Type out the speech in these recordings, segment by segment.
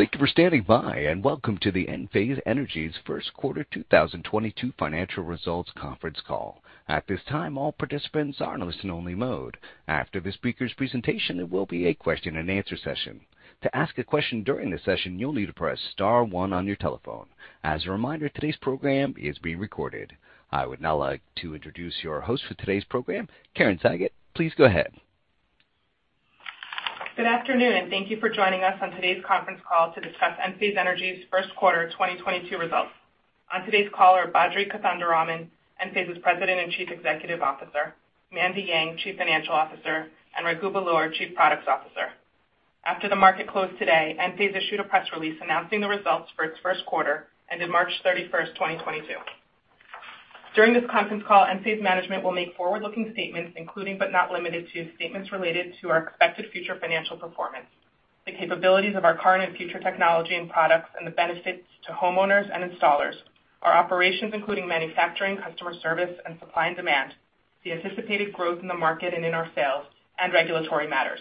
Thank you for standing by, and welcome to the Enphase Energy's First Quarter 2022 Financial Results Conference Call. At this time, all participants are in listen only mode. After the speaker's presentation, there will be a question and answer session. To ask a question during the session, you'll need to press star one on your telephone. As a reminder, today's program is being recorded. I would now like to introduce your host for today's program, Karen Sagot. Please go ahead. Good afternoon, and thank you for joining us on today's conference call to discuss Enphase Energy's first quarter 2022 results. On today's call are Badri Kothandaraman, Enphase's President and Chief Executive Officer, Mandy Yang, Chief Financial Officer, and Raghu Belur, Chief Products Officer. After the market closed today, Enphase issued a press release announcing the results for its first quarter ended March 31, 2022. During this conference call, Enphase management will make forward-looking statements including, but not limited to, statements related to our expected future financial performance, the capabilities of our current and future technology and products and the benefits to homeowners and installers, our operations including manufacturing, customer service, and supply and demand, the anticipated growth in the market and in our sales, and regulatory matters.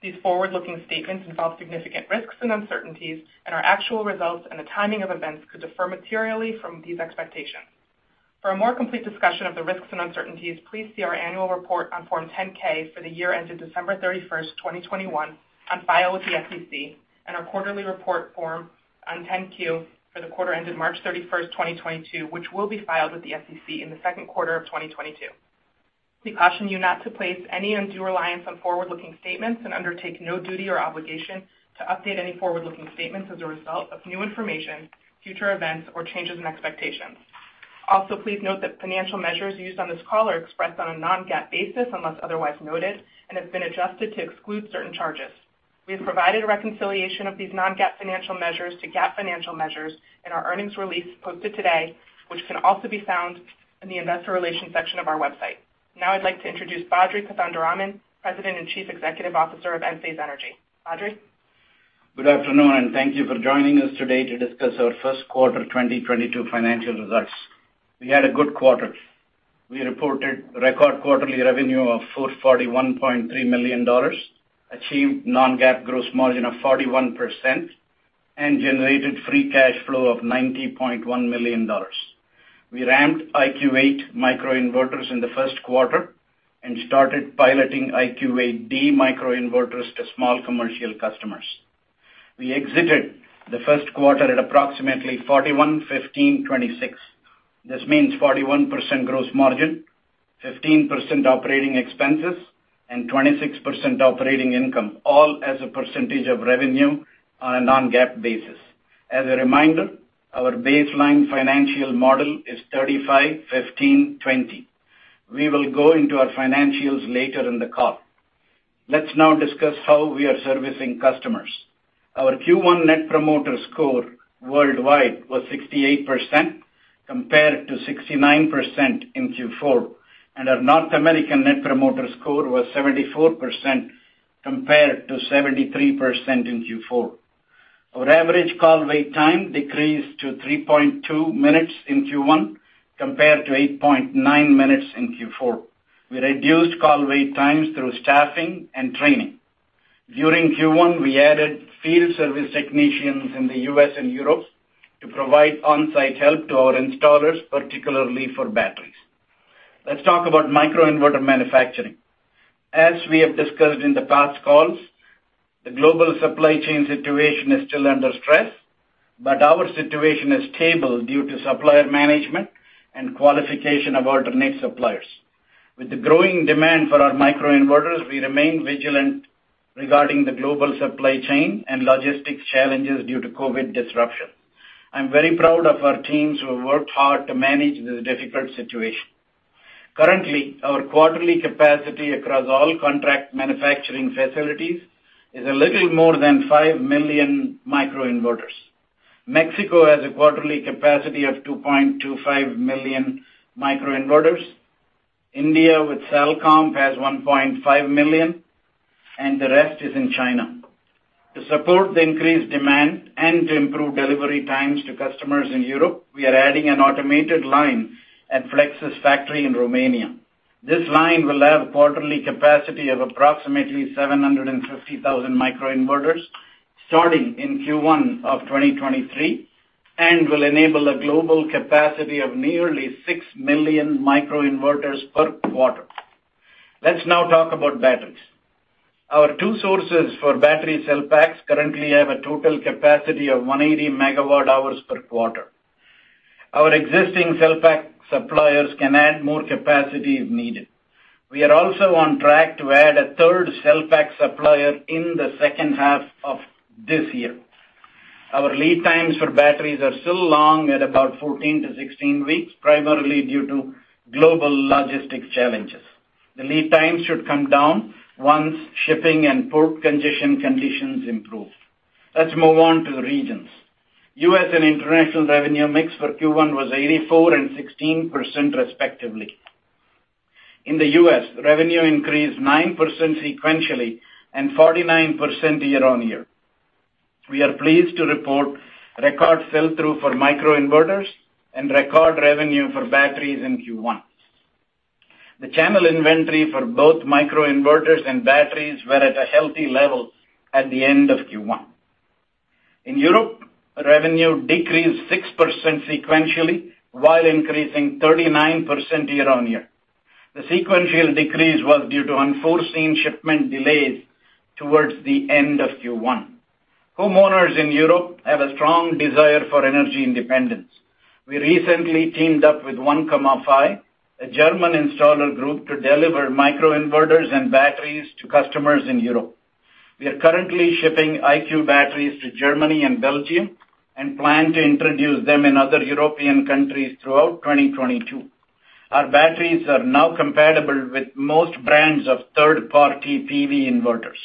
These forward-looking statements involve significant risks and uncertainties, and our actual results and the timing of events could differ materially from these expectations. For a more complete discussion of the risks and uncertainties, please see our annual report on form 10-K for the year ended December 31, 2021 on file with the SEC, and our quarterly report form 10-Q for the quarter ended March 31, 2022, which will be filed with the SEC in the second quarter of 2022. We caution you not to place any undue reliance on forward-looking statements and undertake no duty or obligation to update any forward-looking statements as a result of new information, future events, or changes in expectations. Also, please note that financial measures used on this call are expressed on a non-GAAP basis unless otherwise noted and have been adjusted to exclude certain charges. We have provided a reconciliation of these non-GAAP financial measures to GAAP financial measures in our earnings release posted today, which can also be found in the investor relations section of our website. Now I'd like to introduce Badri Kothandaraman, President and Chief Executive Officer of Enphase Energy. Badri. Good afternoon, and thank you for joining us today to discuss our first quarter 2022 financial results. We had a good quarter. We reported record quarterly revenue of $441.3 million, achieved non-GAAP gross margin of 41%, and generated free cash flow of $90.1 million. We ramped IQ8 microinverters in the first quarter and started piloting IQ8D microinverters to small commercial customers. We exited the first quarter at approximately 41, 15, 26. This means 41% gross margin, 15% operating expenses, and 26% operating income, all as a percentage of revenue on a non-GAAP basis. As a reminder, our baseline financial model is 35, 15, 20. We will go into our financials later in the call. Let's now discuss how we are servicing customers. Our Q1 net promoter score worldwide was 68% compared to 69% in Q4, and our North American net promoter score was 74% compared to 73% in Q4. Our average call wait time decreased to 3.2 minutes in Q1 compared to 8.9 minutes in Q4. We reduced call wait times through staffing and training. During Q1, we added field service technicians in the U.S. and Europe to provide on-site help to our installers, particularly for batteries. Let's talk about microinverter manufacturing. As we have discussed in the past calls, the global supply chain situation is still under stress, but our situation is stable due to supplier management and qualification of alternate suppliers. With the growing demand for our microinverters, we remain vigilant regarding the global supply chain and logistics challenges due to COVID disruption. I'm very proud of our teams who have worked hard to manage this difficult situation. Currently, our quarterly capacity across all contract manufacturing facilities is a little more than 5 million microinverters. Mexico has a quarterly capacity of 2.25 million microinverters. India with Salcomp has 1.5 million, and the rest is in China. To support the increased demand and to improve delivery times to customers in Europe, we are adding an automated line at Flex's factory in Romania. This line will have a quarterly capacity of approximately 750,000 microinverters starting in Q1 of 2023 and will enable a global capacity of nearly 6 million microinverters per quarter. Let's now talk about batteries. Our two sources for battery cell packs currently have a total capacity of 180 MWh per quarter. Our existing cell pack suppliers can add more capacity if needed. We are also on track to add a third cell pack supplier in the second half of this year. Our lead times for batteries are still long at about 14-16 weeks, primarily due to global logistics challenges. The lead time should come down once shipping and port conditions improve. Let's move on to the regions. U.S. and international revenue mix for Q1 was 84% and 16% respectively. In the U.S., revenue increased 9% sequentially and 49% year-on-year. We are pleased to report record sell-through for microinverters and record revenue for batteries in Q1. The channel inventory for both microinverters and batteries were at a healthy level at the end of Q1. In Europe, revenue decreased 6% sequentially, while increasing 39% year-on-year. The sequential decrease was due to unforeseen shipment delays towards the end of Q1. Homeowners in Europe have a strong desire for energy independence. We recently teamed up with 1KOMMA5°, a German installer group, to deliver microinverters and batteries to customers in Europe. We are currently shipping IQ Batteries to Germany and Belgium, and plan to introduce them in other European countries throughout 2022. Our batteries are now compatible with most brands of third-party PV inverters.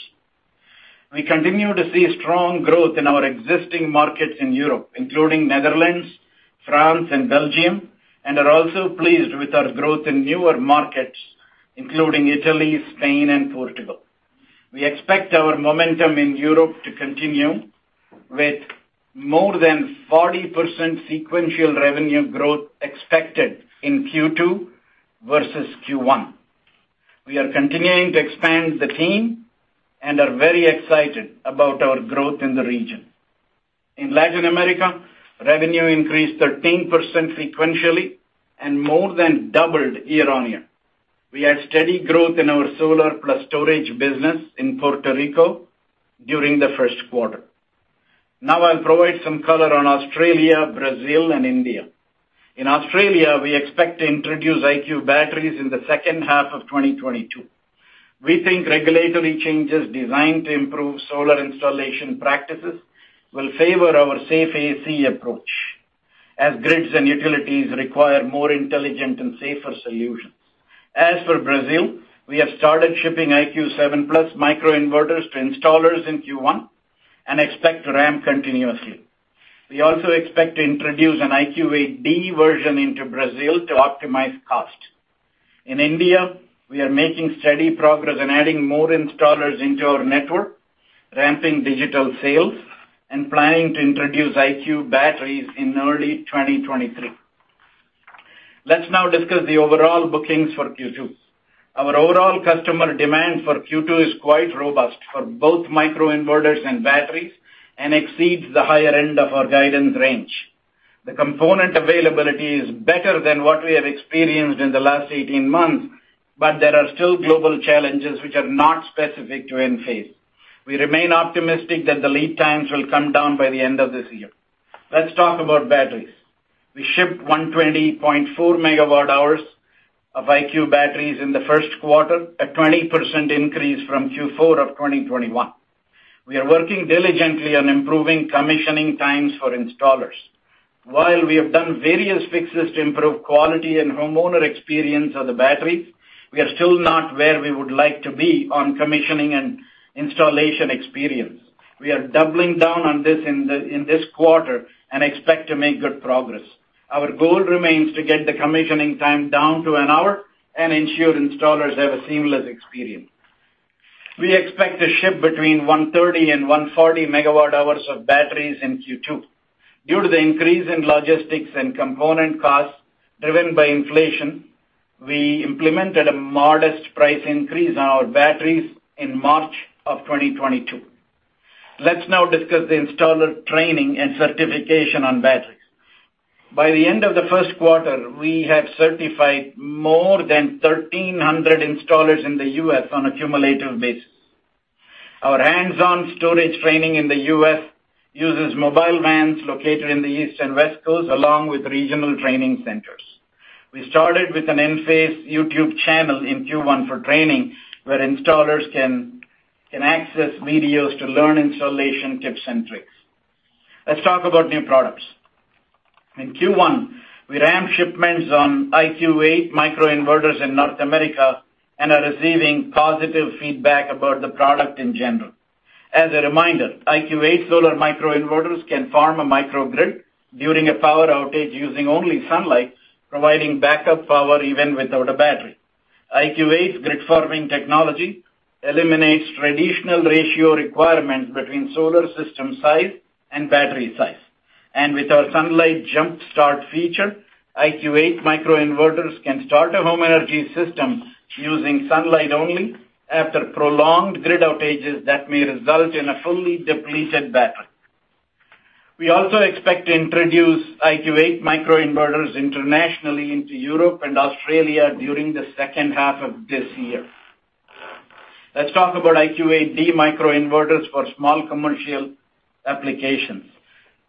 We continue to see strong growth in our existing markets in Europe, including Netherlands, France, and Belgium, and are also pleased with our growth in newer markets, including Italy, Spain, and Portugal. We expect our momentum in Europe to continue with more than 40% sequential revenue growth expected in Q2 versus Q1. We are continuing to expand the team and are very excited about our growth in the region. In Latin America, revenue increased 13% sequentially and more than doubled year-over-year. We had steady growth in our solar-plus-storage business in Puerto Rico during the first quarter. Now I'll provide some color on Australia, Brazil, and India. In Australia, we expect to introduce IQ Batteries in the second half of 2022. We think regulatory changes designed to improve solar installation practices will favor our safe AC approach as grids and utilities require more intelligent and safer solutions. As for Brazil, we have started shipping IQ7+ microinverters to installers in Q1 and expect to ramp continuously. We also expect to introduce an IQ8D version into Brazil to optimize cost. In India, we are making steady progress in adding more installers into our network, ramping digital sales, and planning to introduce IQ Batteries in early 2023. Let's now discuss the overall bookings for Q2. Our overall customer demand for Q2 is quite robust for both microinverters and batteries and exceeds the higher end of our guidance range. The component availability is better than what we have experienced in the last 18 months, but there are still global challenges which are not specific to Enphase. We remain optimistic that the lead times will come down by the end of this year. Let's talk about batteries. We shipped 120.4 MWh of IQ Batteries in the first quarter, a 20% increase from Q4 of 2021. We are working diligently on improving commissioning times for installers. While we have done various fixes to improve quality and homeowner experience of the battery, we are still not where we would like to be on commissioning and installation experience. We are doubling down on this in this quarter and expect to make good progress. Our goal remains to get the commissioning time down to an hour and ensure installers have a seamless experience. We expect to ship between 130 and 140 MWhs of batteries in Q2. Due to the increase in logistics and component costs driven by inflation, we implemented a modest price increase on our batteries in March 2022. Let's now discuss the installer training and certification on batteries. By the end of the first quarter, we have certified more than 1,300 installers in the U.S. on a cumulative basis. Our hands-on storage training in the U.S. uses mobile vans located in the East and West Coasts, along with regional training centers. We started with an Enphase YouTube channel in Q1 for training, where installers can access videos to learn installation tips and tricks. Let's talk about new products. In Q1, we ramped shipments on IQ8 microinverters in North America and are receiving positive feedback about the product in general. As a reminder, IQ8 solar microinverters can form a microgrid during a power outage using only sunlight, providing backup power even without a battery. IQ8's grid-forming technology eliminates traditional ratio requirements between solar system size and battery size. With our Sunlight Jump Start feature, IQ8 microinverters can start a home energy system using sunlight only after prolonged grid outages that may result in a fully depleted battery. We also expect to introduce IQ8 microinverters internationally into Europe and Australia during the second half of this year. Let's talk about IQ8D microinverters for small commercial applications.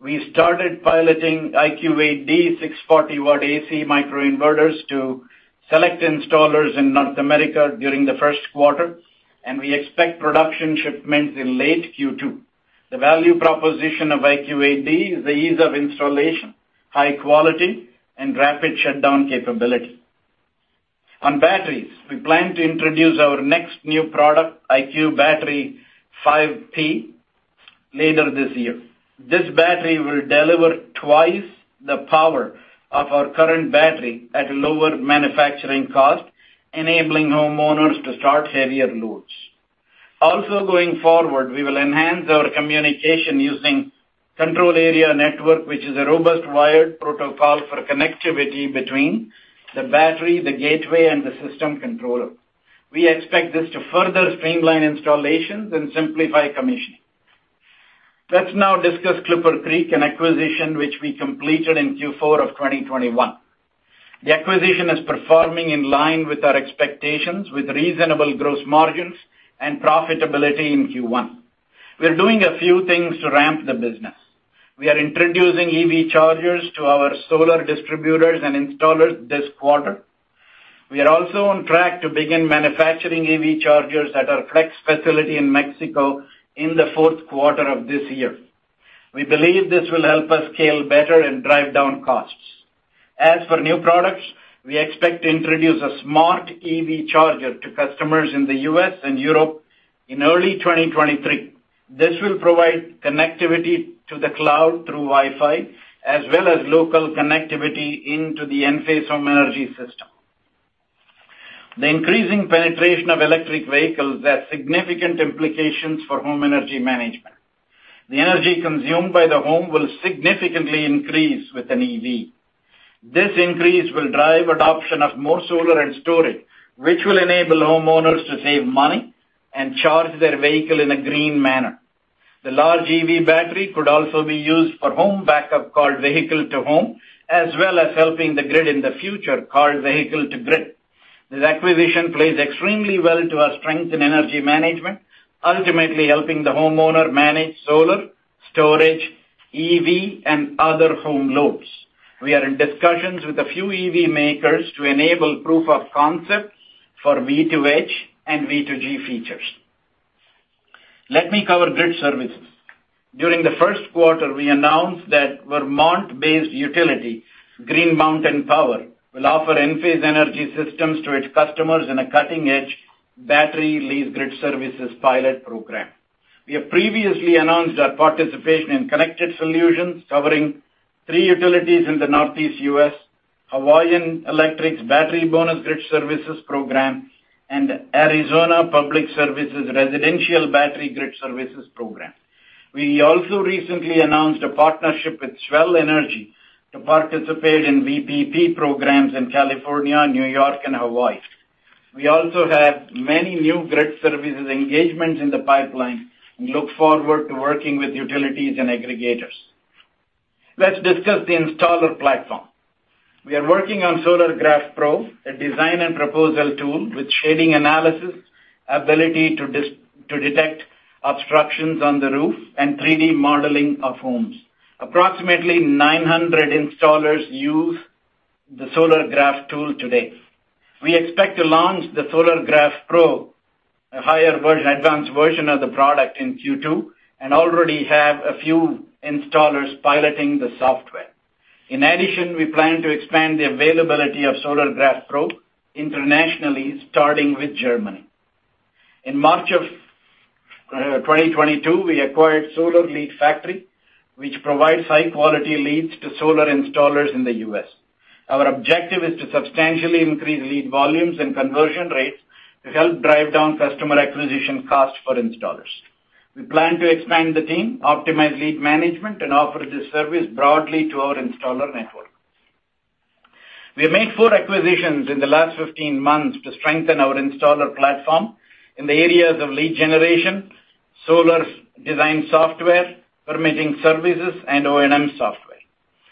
We started piloting IQ8D 640-watt AC microinverters to select installers in North America during the first quarter, and we expect production shipments in late Q2. The value proposition of IQ8D is the ease of installation, high quality, and rapid shutdown capability. On batteries, we plan to introduce our next new product, IQ Battery 5P, later this year. This battery will deliver twice the power of our current battery at a lower manufacturing cost, enabling homeowners to start heavier loads. Also going forward, we will enhance our communication using controller area network, which is a robust wired protocol for connectivity between the battery, the gateway, and the system controller. We expect this to further streamline installations and simplify commissioning. Let's now discuss ClipperCreek, an acquisition which we completed in Q4 of 2021. The acquisition is performing in line with our expectations, with reasonable gross margins and profitability in Q1. We are doing a few things to ramp the business. We are introducing EV chargers to our solar distributors and installers this quarter. We are also on track to begin manufacturing EV chargers at our Flex facility in Mexico in the fourth quarter of this year. We believe this will help us scale better and drive down costs. As for new products, we expect to introduce a smart EV charger to customers in the U.S. and Europe in early 2023. This will provide connectivity to the cloud through Wi-Fi, as well as local connectivity into the Enphase home energy system. The increasing penetration of electric vehicles has significant implications for home energy management. The energy consumed by the home will significantly increase with an EV. This increase will drive adoption of more solar and storage, which will enable homeowners to save money and charge their vehicle in a green manner. The large EV battery could also be used for home backup, called vehicle to home, as well as helping the grid in the future, called vehicle to grid. This acquisition plays extremely well to our strength in energy management, ultimately helping the homeowner manage solar, storage, EV, and other home loads. We are in discussions with a few EV makers to enable proof of concept for V2H and V2G features. Let me cover grid services. During the first quarter, we announced that Vermont-based utility, Green Mountain Power, will offer Enphase Energy systems to its customers in a cutting-edge battery lease grid services pilot program. We have previously announced our participation in Connected Solutions covering three utilities in the Northeast U.S., Hawaiian Electric's Battery Bonus Grid Services program, and Arizona Public Service's Residential Battery Grid Services program. We also recently announced a partnership with Swell Energy to participate in VPP programs in California, New York, and Hawaii. We also have many new grid services engagements in the pipeline and look forward to working with utilities and aggregators. Let's discuss the installer platform. We are working on Solargraf Pro, a design and proposal tool with shading analysis, ability to detect obstructions on the roof, and 3D modeling of homes. Approximately 900 installers use the Solargraf tool today. We expect to launch the Solargraf Pro, a higher version, advanced version of the product, in Q2, and already have a few installers piloting the software. In addition, we plan to expand the availability of Solargraf Pro internationally, starting with Germany. In March of 2022, we acquired SolarLeadFactory, which provides high-quality leads to solar installers in the U.S. Our objective is to substantially increase lead volumes and conversion rates to help drive down customer acquisition costs for installers. We plan to expand the team, optimize lead management, and offer this service broadly to our installer network. We have made four acquisitions in the last 15 months to strengthen our installer platform in the areas of lead generation, solar design software, permitting services, and O&M software.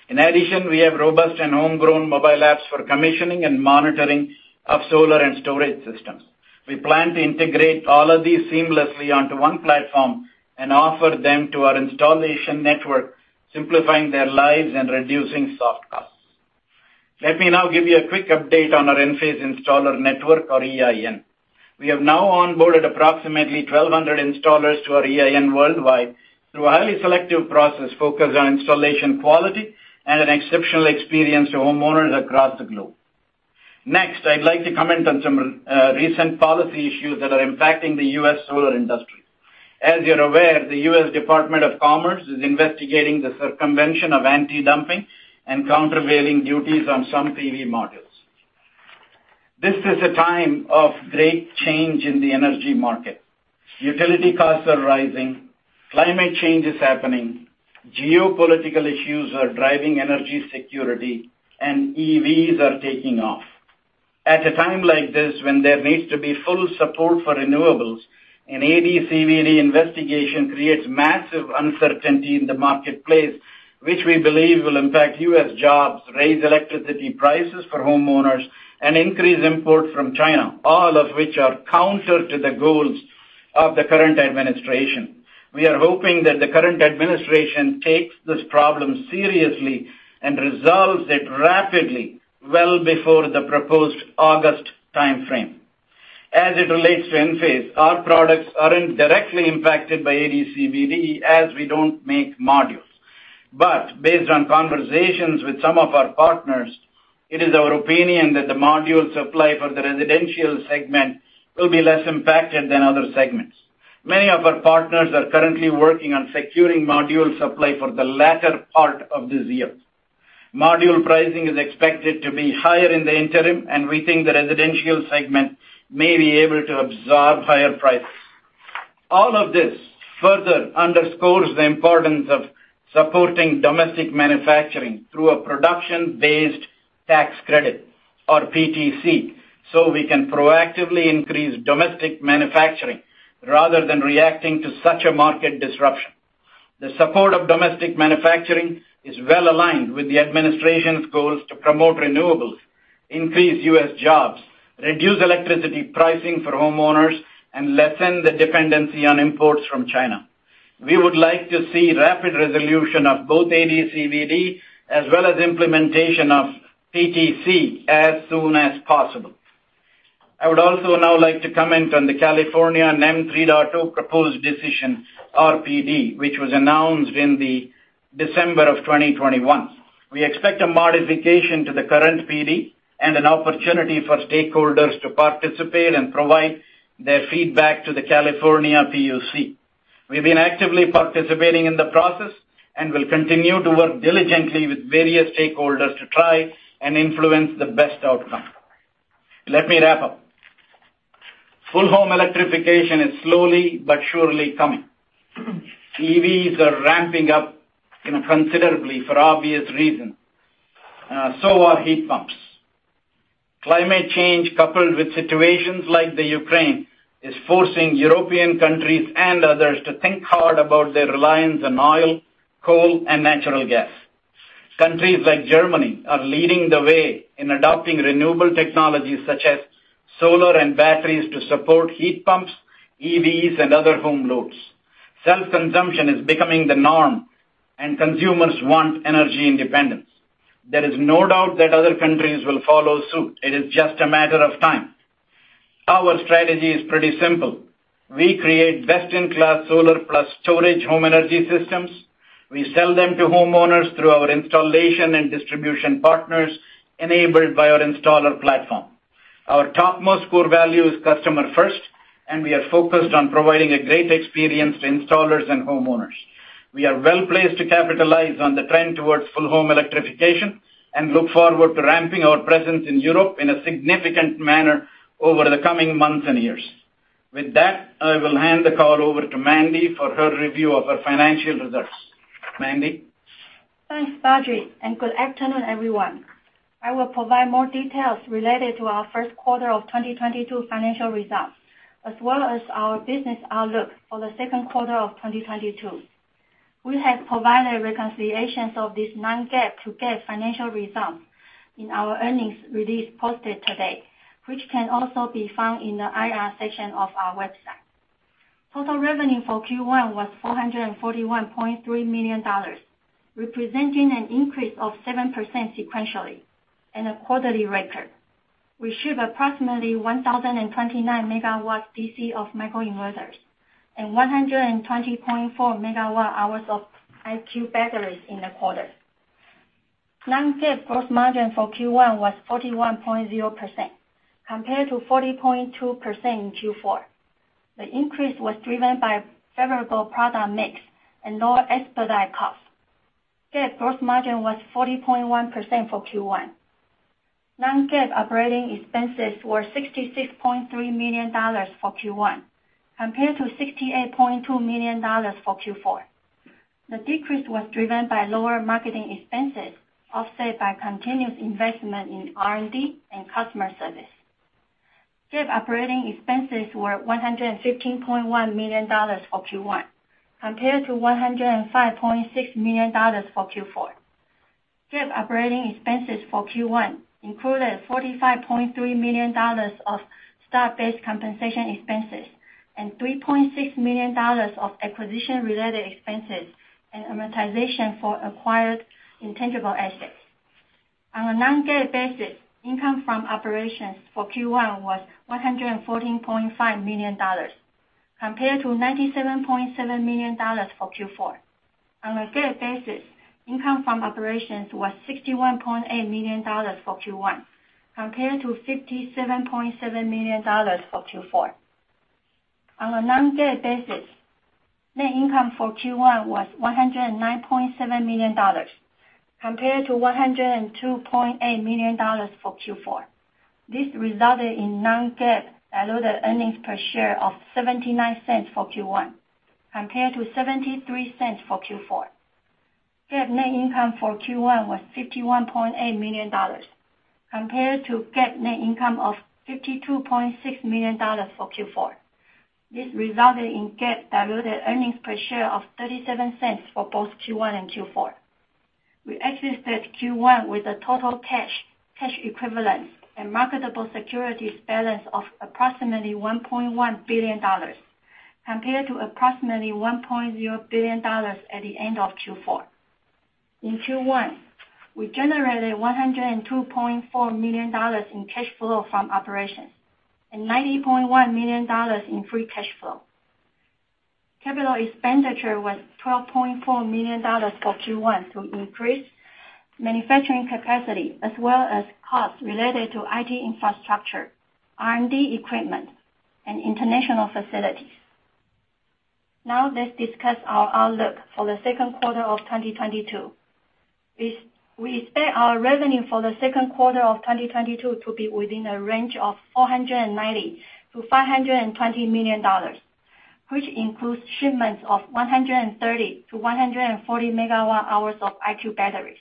In addition, we have robust and homegrown mobile apps for commissioning and monitoring of solar and storage systems. We plan to integrate all of these seamlessly onto one platform and offer them to our installation network, simplifying their lives and reducing soft costs. Let me now give you a quick update on our Enphase Installer Network, or EIN. We have now onboarded approximately 1,200 installers to our EIN worldwide through a highly selective process focused on installation quality and an exceptional experience to homeowners across the globe. Next, I'd like to comment on some recent policy issues that are impacting the U.S. solar industry. As you're aware, the U.S. Department of Commerce is investigating the circumvention of anti-dumping and countervailing duties on some PV modules. This is a time of great change in the energy market. Utility costs are rising, climate change is happening, geopolitical issues are driving energy security, and EVs are taking off. At a time like this, when there needs to be full support for renewables, an AD/CVD investigation creates massive uncertainty in the marketplace, which we believe will impact U.S. jobs, raise electricity prices for homeowners, and increase imports from China, all of which are counter to the goals of the current administration. We are hoping that the current administration takes this problem seriously and resolves it rapidly, well before the proposed August timeframe. As it relates to Enphase, our products aren't directly impacted by AD/CVD, as we don't make modules. Based on conversations with some of our partners, it is our opinion that the module supply for the Residential segment will be less impacted than other segments. Many of our partners are currently working on securing module supply for the latter part of this year. Module pricing is expected to be higher in the interim, and we think the Residential segment may be able to absorb higher prices. All of this further underscores the importance of supporting domestic manufacturing through a production-based tax credit, or PTC, so we can proactively increase domestic manufacturing rather than reacting to such a market disruption. The support of domestic manufacturing is well-aligned with the administration's goals to promote renewables, increase U.S. jobs, reduce electricity pricing for homeowners, and lessen the dependency on imports from China. We would like to see rapid resolution of both AD/CVD as well as implementation of PTC as soon as possible. I would also now like to comment on the California NEM 3.0 proposed decision, RPD, which was announced in December 2021. We expect a modification to the current PD and an opportunity for stakeholders to participate and provide their feedback to the California PUC. We've been actively participating in the process and will continue to work diligently with various stakeholders to try and influence the best outcome. Let me wrap up. Full home electrification is slowly but surely coming. EVs are ramping up, you know, considerably for obvious reasons, so are heat pumps. Climate change, coupled with situations like the Ukraine, is forcing European countries and others to think hard about their reliance on oil, coal, and natural gas. Countries like Germany are leading the way in adopting renewable technologies such as solar and batteries to support heat pumps, EVs, and other home loads. Self-consumption is becoming the norm, and consumers want energy independence. There is no doubt that other countries will follow suit. It is just a matter of time. Our strategy is pretty simple. We create best-in-class solar plus storage home energy systems. We sell them to homeowners through our installation and distribution partners, enabled by our installer platform. Our topmost core value is customer first, and we are focused on providing a great experience to installers and homeowners. We are well-placed to capitalize on the trend towards full home electrification and look forward to ramping our presence in Europe in a significant manner over the coming months and years. With that, I will hand the call over to Mandy for her review of our financial results. Mandy? Thanks, Badri, and good afternoon, everyone. I will provide more details related to our first quarter of 2022 financial results, as well as our business outlook for the second quarter of 2022. We have provided reconciliations of this non-GAAP to GAAP financial results in our earnings release posted today, which can also be found in the IR section of our website. Total revenue for Q1 was $441.3 million, representing an increase of 7% sequentially and a quarterly record. We ship approximately 1,029 MW DC of microinverters and 120.4 MWh of IQ Batteries in the quarter. Non-GAAP gross margin for Q1 was 41.0% compared to 40.2% in Q4. The increase was driven by favorable product mix and lower expedite costs. GAAP gross margin was 40.1% for Q1. Non-GAAP operating expenses were $66.3 million for Q1 compared to $68.2 million for Q4. The decrease was driven by lower marketing expenses, offset by continuous investment in R&D and customer service. GAAP operating expenses were $115.1 million for Q1 compared to $105.6 million for Q4. GAAP operating expenses for Q1 included $45.3 million of stock-based compensation expenses and $3.6 million of acquisition-related expenses and amortization for acquired intangible assets. On a non-GAAP basis, income from operations for Q1 was $114.5 million compared to $97.7 million for Q4. On a GAAP basis, income from operations was $61.8 million for Q1 compared to $57.7 million for Q4. On a non-GAAP basis, net income for Q1 was $109.7 million compared to $102.8 million for Q4. This resulted in non-GAAP diluted earnings per share of $0.79 for Q1 compared to $0.73 for Q4. GAAP net income for Q1 was $51.8 million compared to GAAP net income of $52.6 million for Q4. This resulted in GAAP diluted earnings per share of $0.37 for both Q1 and Q4. We exited Q1 with a total cash equivalents, and marketable securities balance of approximately $1.1 billion compared to approximately $1.0 billion at the end of Q4. In Q1, we generated $102.4 million in cash flow from operations and $90.1 million in free cash flow. Capital expenditure was $12.4 million for Q1 to increase manufacturing capacity as well as costs related to IT infrastructure, R&D equipment, and international facilities. Now let's discuss our outlook for the second quarter of 2022. We expect our revenue for the second quarter of 2022 to be within a range of $490 million-$520 million, which includes shipments of 130-140 MWh of IQ Batteries.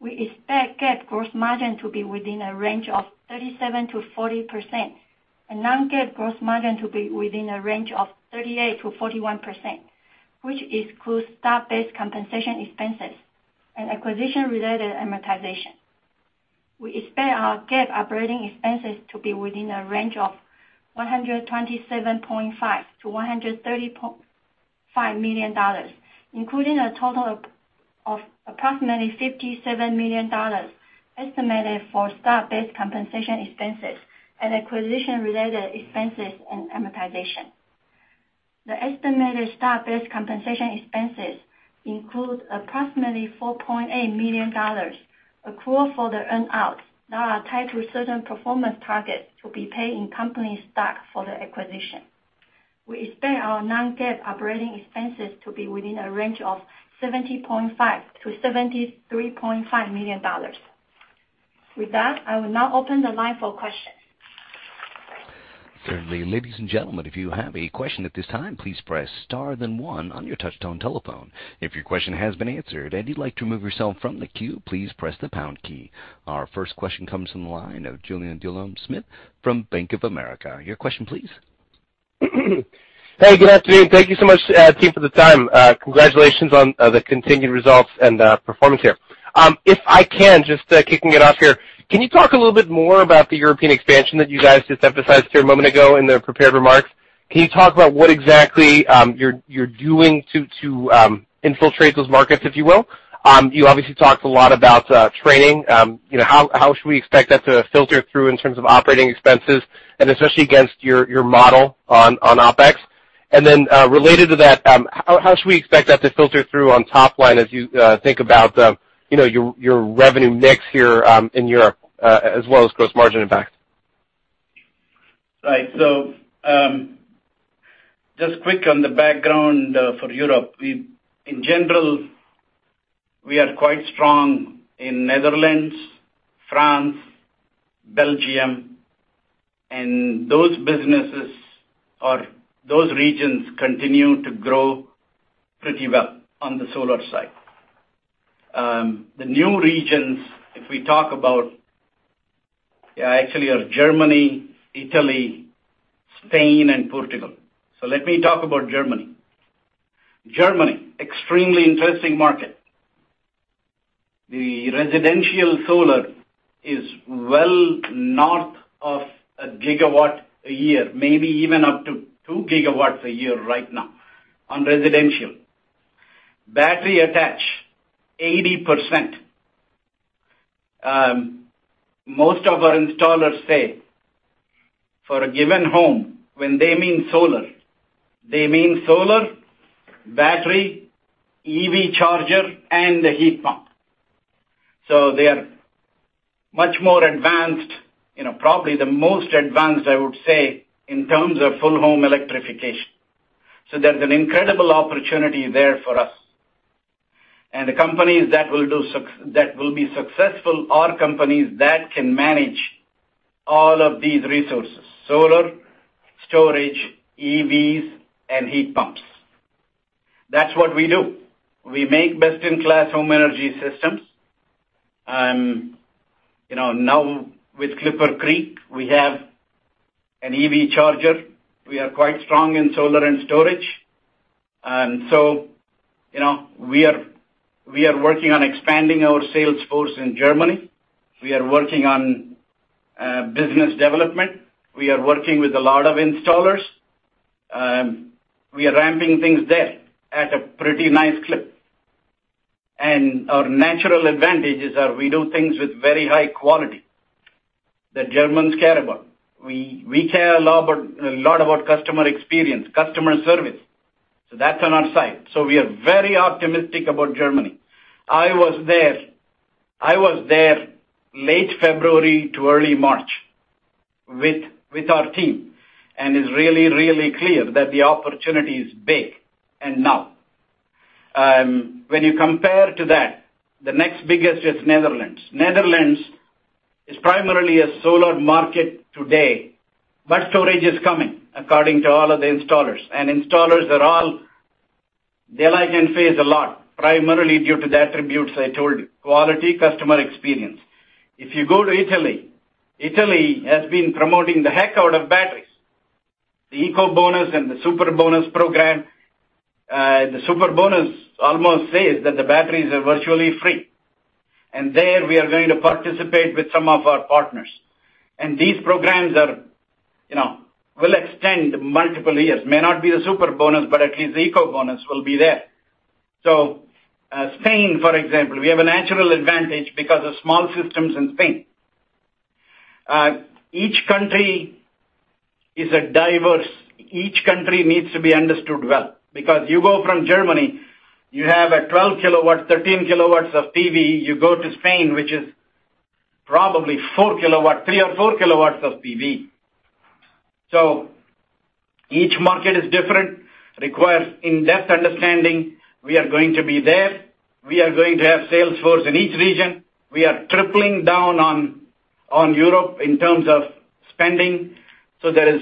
We expect GAAP gross margin to be within a range of 37%-40% and non-GAAP gross margin to be within a range of 38%-41%, which includes stock-based compensation expenses and acquisition-related amortization. We expect our GAAP operating expenses to be within a range of $127.5 million-$130.5 million, including a total of approximately $57 million estimated for stock-based compensation expenses and acquisition-related expenses and amortization. The estimated stock-based compensation expenses include approximately $4.8 million accrual for the earn-out that are tied to certain performance targets to be paid in company stock for the acquisition. We expect our non-GAAP operating expenses to be within a range of $70.5 million-$73.5 million. With that, I will now open the line for questions. Certainly. Ladies and gentlemen, if you have a question at this time, please press star then one on your touchtone telephone. If your question has been answered and you'd like to remove yourself from the queue, please press the pound key. Our first question comes from the line of Julien Dumoulin-Smith from Bank of America. Your question please. Hey, good afternoon. Thank you so much, team for the time. Congratulations on the continued results and performance here. If I can, just kicking it off here, can you talk a little bit more about the European expansion that you guys just emphasized here a moment ago in the prepared remarks? Can you talk about what exactly you're doing to infiltrate those markets, if you will? You obviously talked a lot about training. You know, how should we expect that to filter through in terms of operating expenses and especially against your model on OpEx? Related to that, how should we expect that to filter through on top line as you think about, you know, your revenue mix here in Europe, as well as gross margin impact? Right. Just quick on the background, for Europe. In general, we are quite strong in Netherlands, France, Belgium, and those businesses or those regions continue to grow pretty well on the solar side. The new regions, if we talk about, yeah, actually are Germany, Italy, Spain, and Portugal. Let me talk about Germany. Germany, extremely interesting market. The residential solar is well north of 1 GW a year, maybe even up to 2 GW a year right now on residential. Battery attached, 80%. Most of our installers say, for a given home, when they mean solar, they mean solar, battery, EV charger, and the heat pump. They are much more advanced, you know, probably the most advanced, I would say, in terms of full home electrification. There's an incredible opportunity there for us. The companies that will be successful are companies that can manage all of these resources, solar, storage, EVs, and heat pumps. That's what we do. We make best-in-class home energy systems. You know, now with ClipperCreek, we have an EV charger. We are quite strong in solar and storage. You know, we are working on expanding our sales force in Germany. We are working on business development. We are working with a lot of installers. We are ramping things there at a pretty nice clip. Our natural advantages are we do things with very high quality that Germans care about. We care a lot about customer experience, customer service. That's on our side. We are very optimistic about Germany. I was there. I was there late February to early March with our team, and it's really, really clear that the opportunity is big and now. When you compare to that, the next biggest is Netherlands. Netherlands is primarily a solar market today, but storage is coming according to all of the installers. They're like Enphase a lot, primarily due to the attributes I told you, quality, customer experience. If you go to Italy has been promoting the heck out of batteries. The Ecobonus and the Superbonus program. The Superbonus almost says that the batteries are virtually free. There, we are going to participate with some of our partners. These programs will extend multiple years. May not be a Superbonus, but at least the Ecobonus will be there. Spain, for example, we have a natural advantage because of small systems in Spain. Each country needs to be understood well because you go from Germany, you have 12 kW, 13 kW of PV. You go to Spain, which is probably 4 kW, 3 or 4 kW of PV. Each market is different, requires in-depth understanding. We are going to be there. We are going to have sales force in each region. We are tripling down on Europe in terms of spending, so there are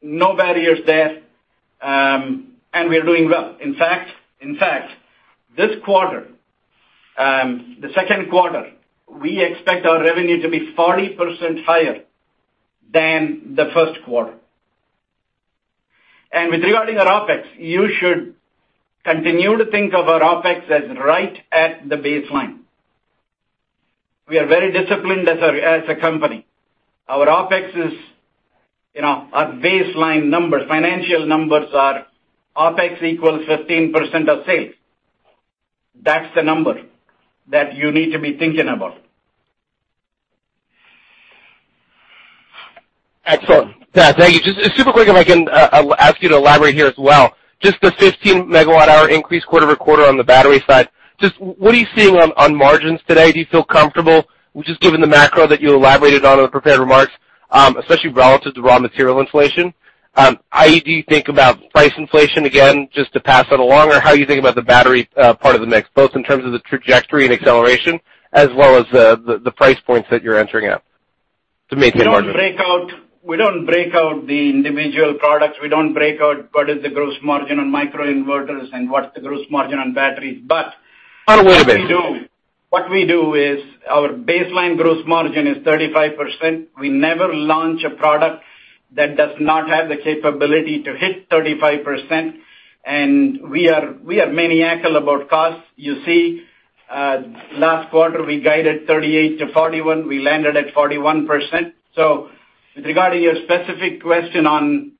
no barriers there, and we are doing well. In fact, this quarter, the second quarter, we expect our revenue to be 40% higher than the first quarter. With regard to our OpEx, you should continue to think of our OpEx as right at the baseline. We are very disciplined as a company. Our OpEx is, you know, our baseline numbers, financial numbers are OpEx equals 15% of sales. That's the number that you need to be thinking about. Excellent. Yeah, thank you. Just super quick, if I can ask you to elaborate here as well. Just the 15 MWh increase quarter-over-quarter on the battery side, just what are you seeing on margins today? Do you feel comfortable just given the macro that you elaborated on in the prepared remarks, especially relative to raw material inflation? How do you think about price inflation, again, just to pass that along, or how are you thinking about the battery part of the mix, both in terms of the trajectory and acceleration as well as the price points that you're entering at to maintain margins? We don't break out the individual products. We don't break out what is the gross margin on microinverters and what's the gross margin on batteries, but-- On a weighted basis What we do is our baseline gross margin is 35%. We never launch a product that does not have the capability to hit 35%, and we are maniacal about costs. You see, last quarter, we guided 38%-41%, we landed at 41%. Regarding your specific question on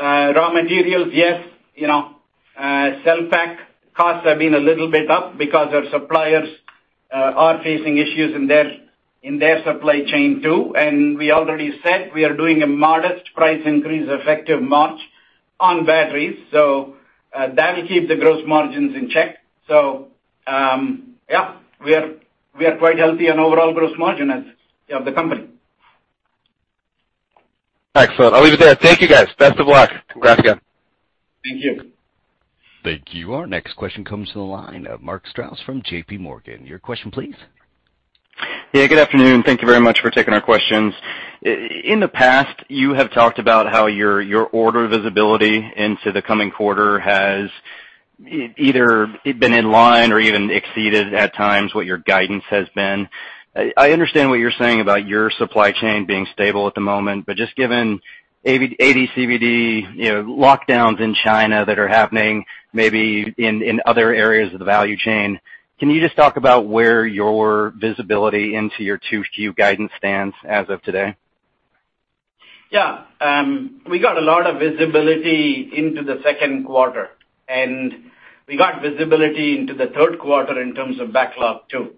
raw materials, yes. You know, cell pack costs have been a little bit up because our suppliers are facing issues in their supply chain too, and we already said we are doing a modest price increase effective March on batteries. That'll keep the gross margins in check. We are quite healthy on overall gross margin of the company. Excellent. I'll leave it there. Thank you, guys. Best of luck. Congrats again. Thank you. Thank you. Our next question comes to the line of Mark Strouse from JPMorgan. Your question please. Yeah, good afternoon. Thank you very much for taking our questions. In the past, you have talked about how your order visibility into the coming quarter has either been in line or even exceeded at times what your guidance has been. I understand what you're saying about your supply chain being stable at the moment, but just given AD/CVD, you know, lockdowns in China that are happening maybe in other areas of the value chain, can you just talk about where your visibility into your 2Q guidance stands as of today? Yeah. We got a lot of visibility into the second quarter, and we got visibility into the third quarter in terms of backlog too.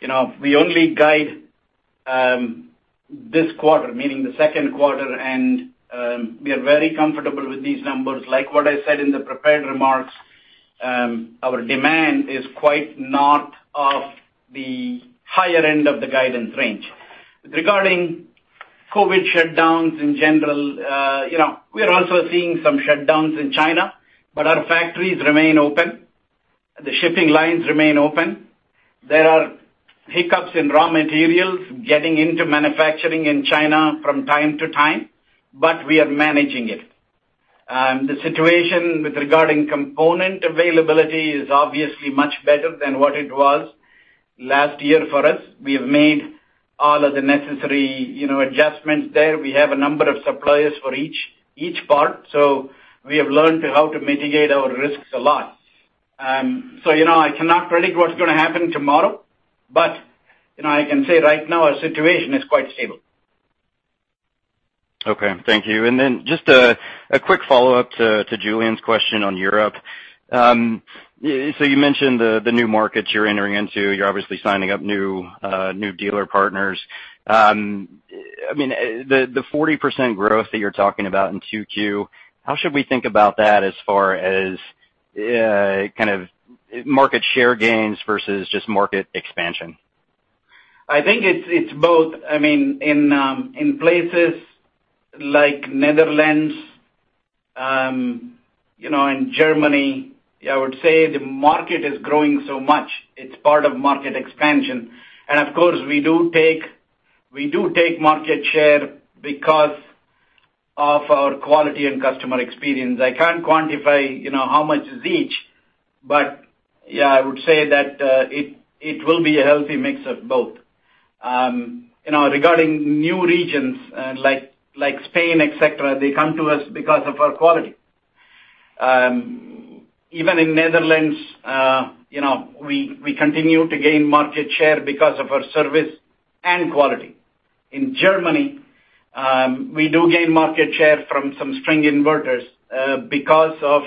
You know, we only guide this quarter, meaning the second quarter, and we are very comfortable with these numbers. Like what I said in the prepared remarks, our demand is quite north of the higher end of the guidance range. Regarding COVID shutdowns in general, you know, we are also seeing some shutdowns in China, but our factories remain open. The shipping lines remain open. There are hiccups in raw materials getting into manufacturing in China from time to time, but we are managing it. The situation regarding component availability is obviously much better than what it was last year for us. We have made all of the necessary, you know, adjustments there. We have a number of suppliers for each part, so we have learned how to mitigate our risks a lot. You know, I cannot predict what's gonna happen tomorrow, but you know, I can say right now our situation is quite stable. Okay. Thank you. Just a quick follow-up to Julien's question on Europe. You mentioned the new markets you're entering into. You're obviously signing up new dealer partners. I mean, the 40% growth that you're talking about in 2Q, how should we think about that as far as market share gains versus just market expansion? I think it's both. I mean, in places like Netherlands, you know, in Germany, I would say the market is growing so much it's part of market expansion. Of course, we do take market share because of our quality and customer experience. I can't quantify, you know, how much is each, but yeah, I would say that it will be a healthy mix of both. You know, regarding new regions, like Spain, et cetera, they come to us because of our quality. Even in Netherlands, you know, we continue to gain market share because of our service and quality. In Germany, we do gain market share from some string inverters, because of,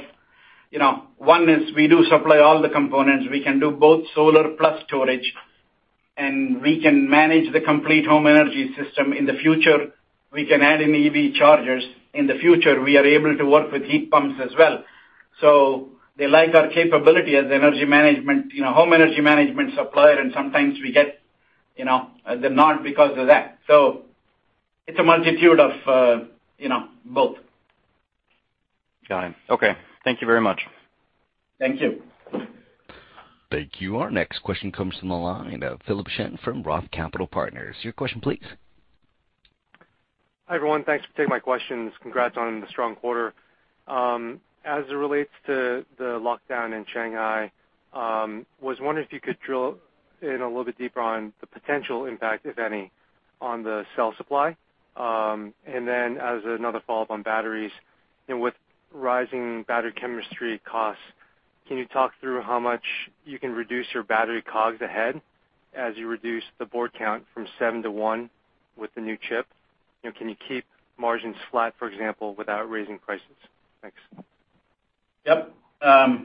you know, one is we do supply all the components. We can do both solar plus storage, and we can manage the complete home energy system. In the future, we can add in EV chargers. In the future, we are able to work with heat pumps as well. They like our capability as energy management, you know, home energy management supplier, and sometimes we get, you know, the nod because of that. It's a multitude of, you know, both. Got it. Okay. Thank you very much. Thank you. Thank you. Our next question comes from the line of Philip Shen from ROTH Capital Partners. Your question please. Hi, everyone. Thanks for taking my questions. Congrats on the strong quarter. As it relates to the lockdown in Shanghai, was wondering if you could drill in a little bit deeper on the potential impact, if any, on the cell supply. As another follow-up on batteries, you know, with rising battery chemistry costs, can you talk through how much you can reduce your battery COGS ahead as you reduce the board count from seven to one with the new chip? You know, can you keep margins flat, for example, without raising prices? Thanks. Yeah. As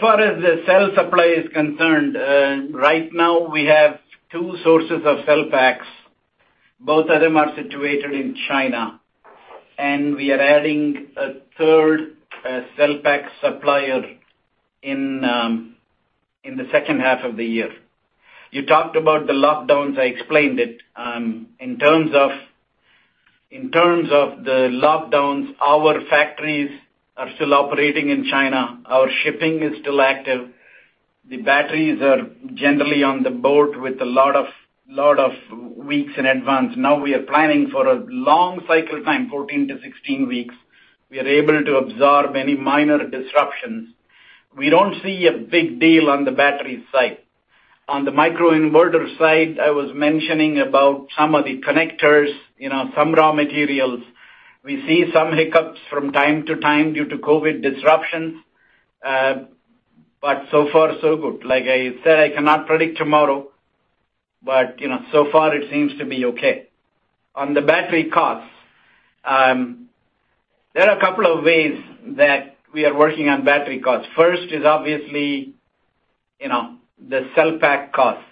far as the cell supply is concerned, right now we have two sources of cell packs. Both of them are situated in China, and we are adding a third cell pack supplier in the second half of the year. You talked about the lockdowns. I explained it in terms of the lockdowns, our factories are still operating in China. Our shipping is still active. The batteries are generally on the boat with a lot of weeks in advance. Now we are planning for a long cycle time, 14-16 weeks. We are able to absorb any minor disruptions. We don't see a big deal on the battery side. On the microinverter side, I was mentioning about some of the connectors, you know, some raw materials. We see some hiccups from time to time due to COVID disruptions, but so far so good. Like I said, I cannot predict tomorrow, but, you know, so far it seems to be okay. On the battery costs, there are a couple of ways that we are working on battery costs. First is obviously, you know, the cell pack costs.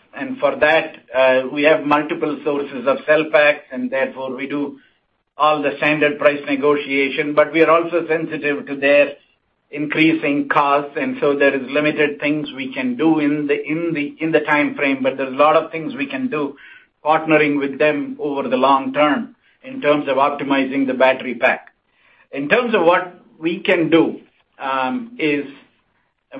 For that, we have multiple sources of cell packs, and therefore we do all the standard price negotiation. We are also sensitive to their increasing costs, and there is limited things we can do in the time frame, but there's a lot of things we can do partnering with them over the long term in terms of optimizing the battery pack. In terms of what we can do, is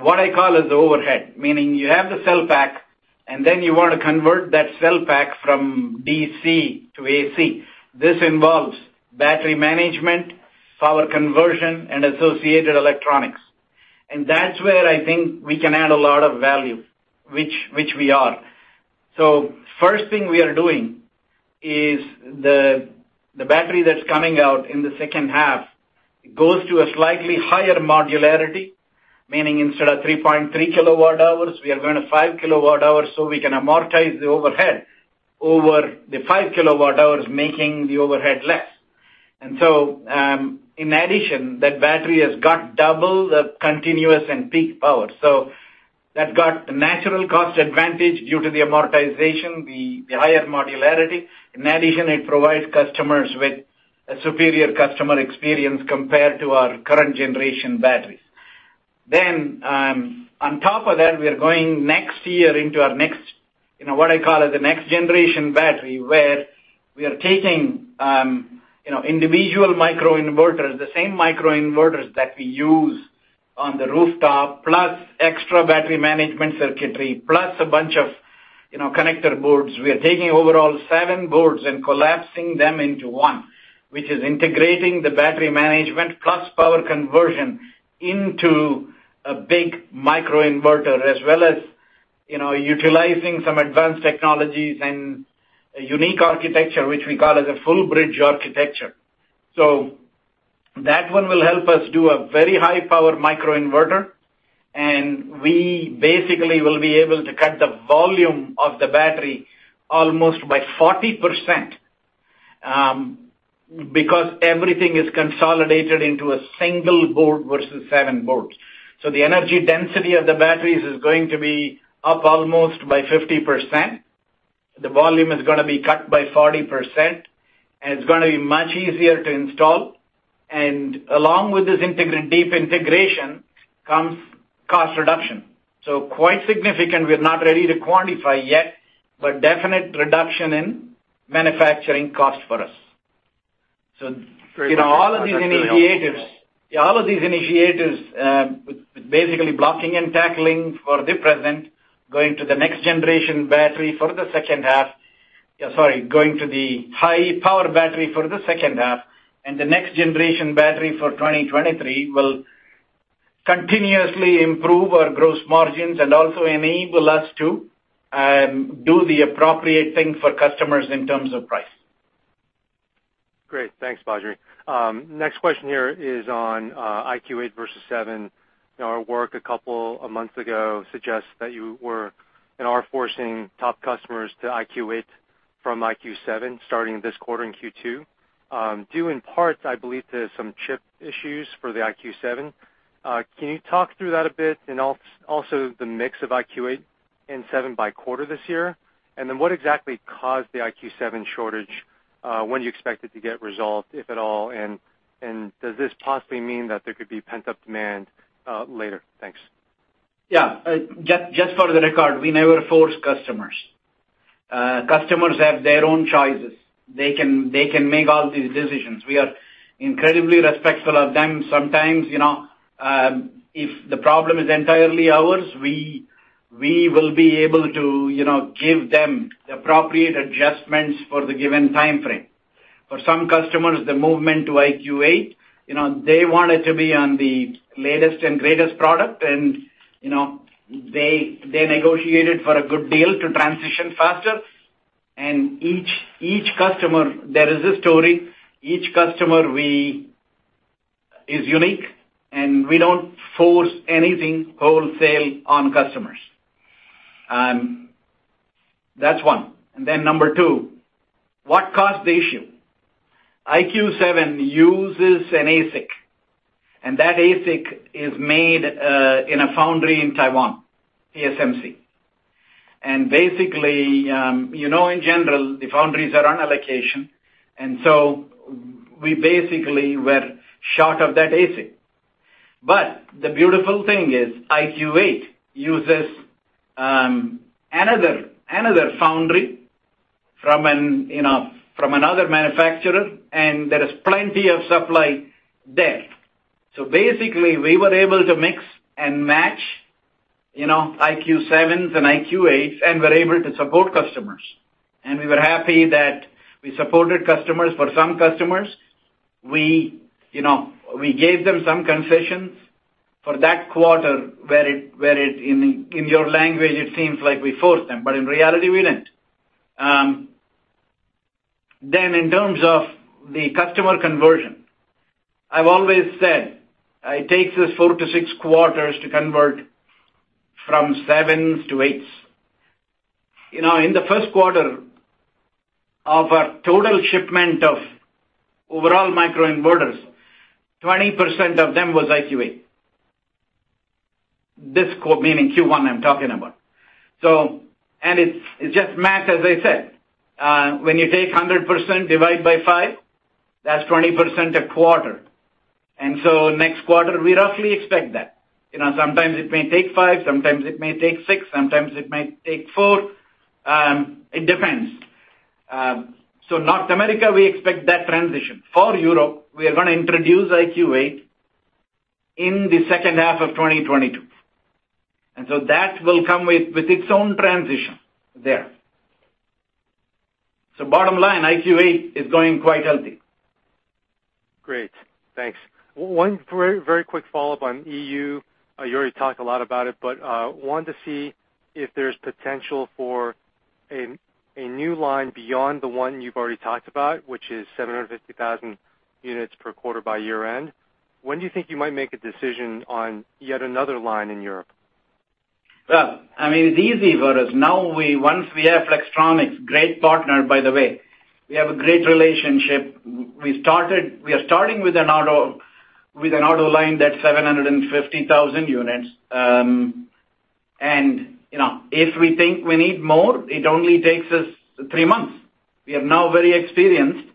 what I call the overhead, meaning you have the cell pack, and then you want to convert that cell pack from DC to AC. This involves battery management, power conversion, and associated electronics. That's where I think we can add a lot of value, which we are. First thing we are doing is the battery that's coming out in the second half goes to a slightly higher modularity, meaning instead of 3.3 kWh, we are going to 5 kWh, so we can amortize the overhead over the 5 kWh, making the overhead less. In addition, that battery has got double the continuous and peak power. That got natural cost advantage due to the amortization, the higher modularity. In addition, it provides customers with a superior customer experience compared to our current generation batteries. On top of that, we are going next year into our next, you know, what I call the next generation battery, where we are taking, you know, individual microinverters, the same microinverters that we use on the rooftop, plus extra battery management circuitry, plus a bunch of, you know, connector boards. We are taking overall seven boards and collapsing them into one, which is integrating the battery management plus power conversion into a big microinverter, as well as, you know, utilizing some advanced technologies and a unique architecture, which we call as a full bridge architecture. That one will help us do a very high-power microinverter, and we basically will be able to cut the volume of the battery almost by 40%, because everything is consolidated into a single board versus seven boards. The energy density of the batteries is going to be up almost by 50%. The volume is gonna be cut by 40%, and it's gonna be much easier to install. Along with this deep integration comes cost reduction. Quite significant. We're not ready to quantify yet, but definite reduction in manufacturing cost for us. You know, all of these initiatives. Great. That's really helpful. Yeah, all of these initiatives with basically blocking and tackling for the present, going to the high-power battery for the second half, and the next generation battery for 2023 will continuously improve our gross margins and also enable us to do the appropriate thing for customers in terms of price. Great. Thanks, Badri. Next question here is on IQ8 versus IQ7. Our work a couple of months ago suggests that you were and are forcing top customers to IQ8 from IQ7, starting this quarter in Q2, due in part, I believe, to some chip issues for the IQ7. Can you talk through that a bit and also the mix of IQ8 in IQ7 by quarter this year. Then what exactly caused the IQ7 shortage? When do you expect it to get resolved, if at all? And does this possibly mean that there could be pent-up demand later? Thanks. Yeah. Just for the record, we never force customers. Customers have their own choices. They can make all these decisions. We are incredibly respectful of them. Sometimes, you know, if the problem is entirely ours, we will be able to, you know, give them the appropriate adjustments for the given timeframe. For some customers, the movement to IQ8, you know, they wanted to be on the latest and greatest product and, you know, they negotiated for a good deal to transition faster. Each customer there is a story. Each customer is unique, and we don't force anything wholesale on customers. That's one. Number two, what caused the issue? IQ7 uses an ASIC, and that ASIC is made in a foundry in Taiwan, TSMC. Basically, you know, in general, the foundries are on allocation, and so we basically were short of that ASIC. The beautiful thing is IQ8 uses another foundry from another manufacturer, and there is plenty of supply there. Basically, we were able to mix and match, you know, IQ7s and IQ8s, and were able to support customers. We were happy that we supported customers. For some customers, you know, we gave them some concessions for that quarter where it in your language it seems like we forced them, but in reality we didn't. In terms of the customer conversion, I've always said it takes us four to six quarters to convert from sevens to eights. You know, in the first quarter, of our total shipment of overall microinverters, 20% of them was IQ8. Meaning Q1 I'm talking about. It's just math, as I said. When you take 100% divide by five, that's 20% a quarter. Next quarter we roughly expect that. You know, sometimes it may take five, sometimes it may take six, sometimes it might take four, it depends. North America, we expect that transition. For Europe, we are gonna introduce IQ8 in the second half of 2022. That will come with its own transition there. Bottom line, IQ8 is going quite healthy. Great. Thanks. One very, very quick follow-up on EU. You already talked a lot about it, but wanted to see if there's potential for a new line beyond the one you've already talked about, which is 750,000 units per quarter by year-end. When do you think you might make a decision on yet another line in Europe? I mean, it's easy for us. Once we have Flextronics, great partner by the way, we have a great relationship. We started--we are starting with an auto line that's 750,000 units. You know, if we think we need more, it only takes us three months. We are now very experienced.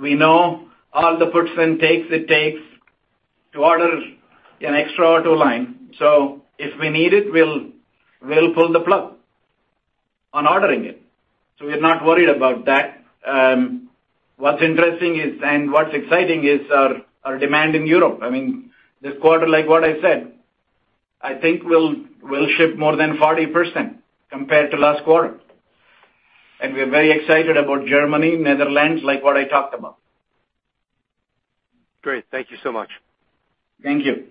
We know all the puts and takes it takes to order an extra auto line. So if we need it, we'll pull the plug on ordering it. So we're not worried about that. What's interesting is, and what's exciting is our demand in Europe. I mean, this quarter, like what I said, I think we'll ship more than 40% compared to last quarter. We are very excited about Germany, Netherlands, like what I talked about. Great. Thank you so much. Thank you.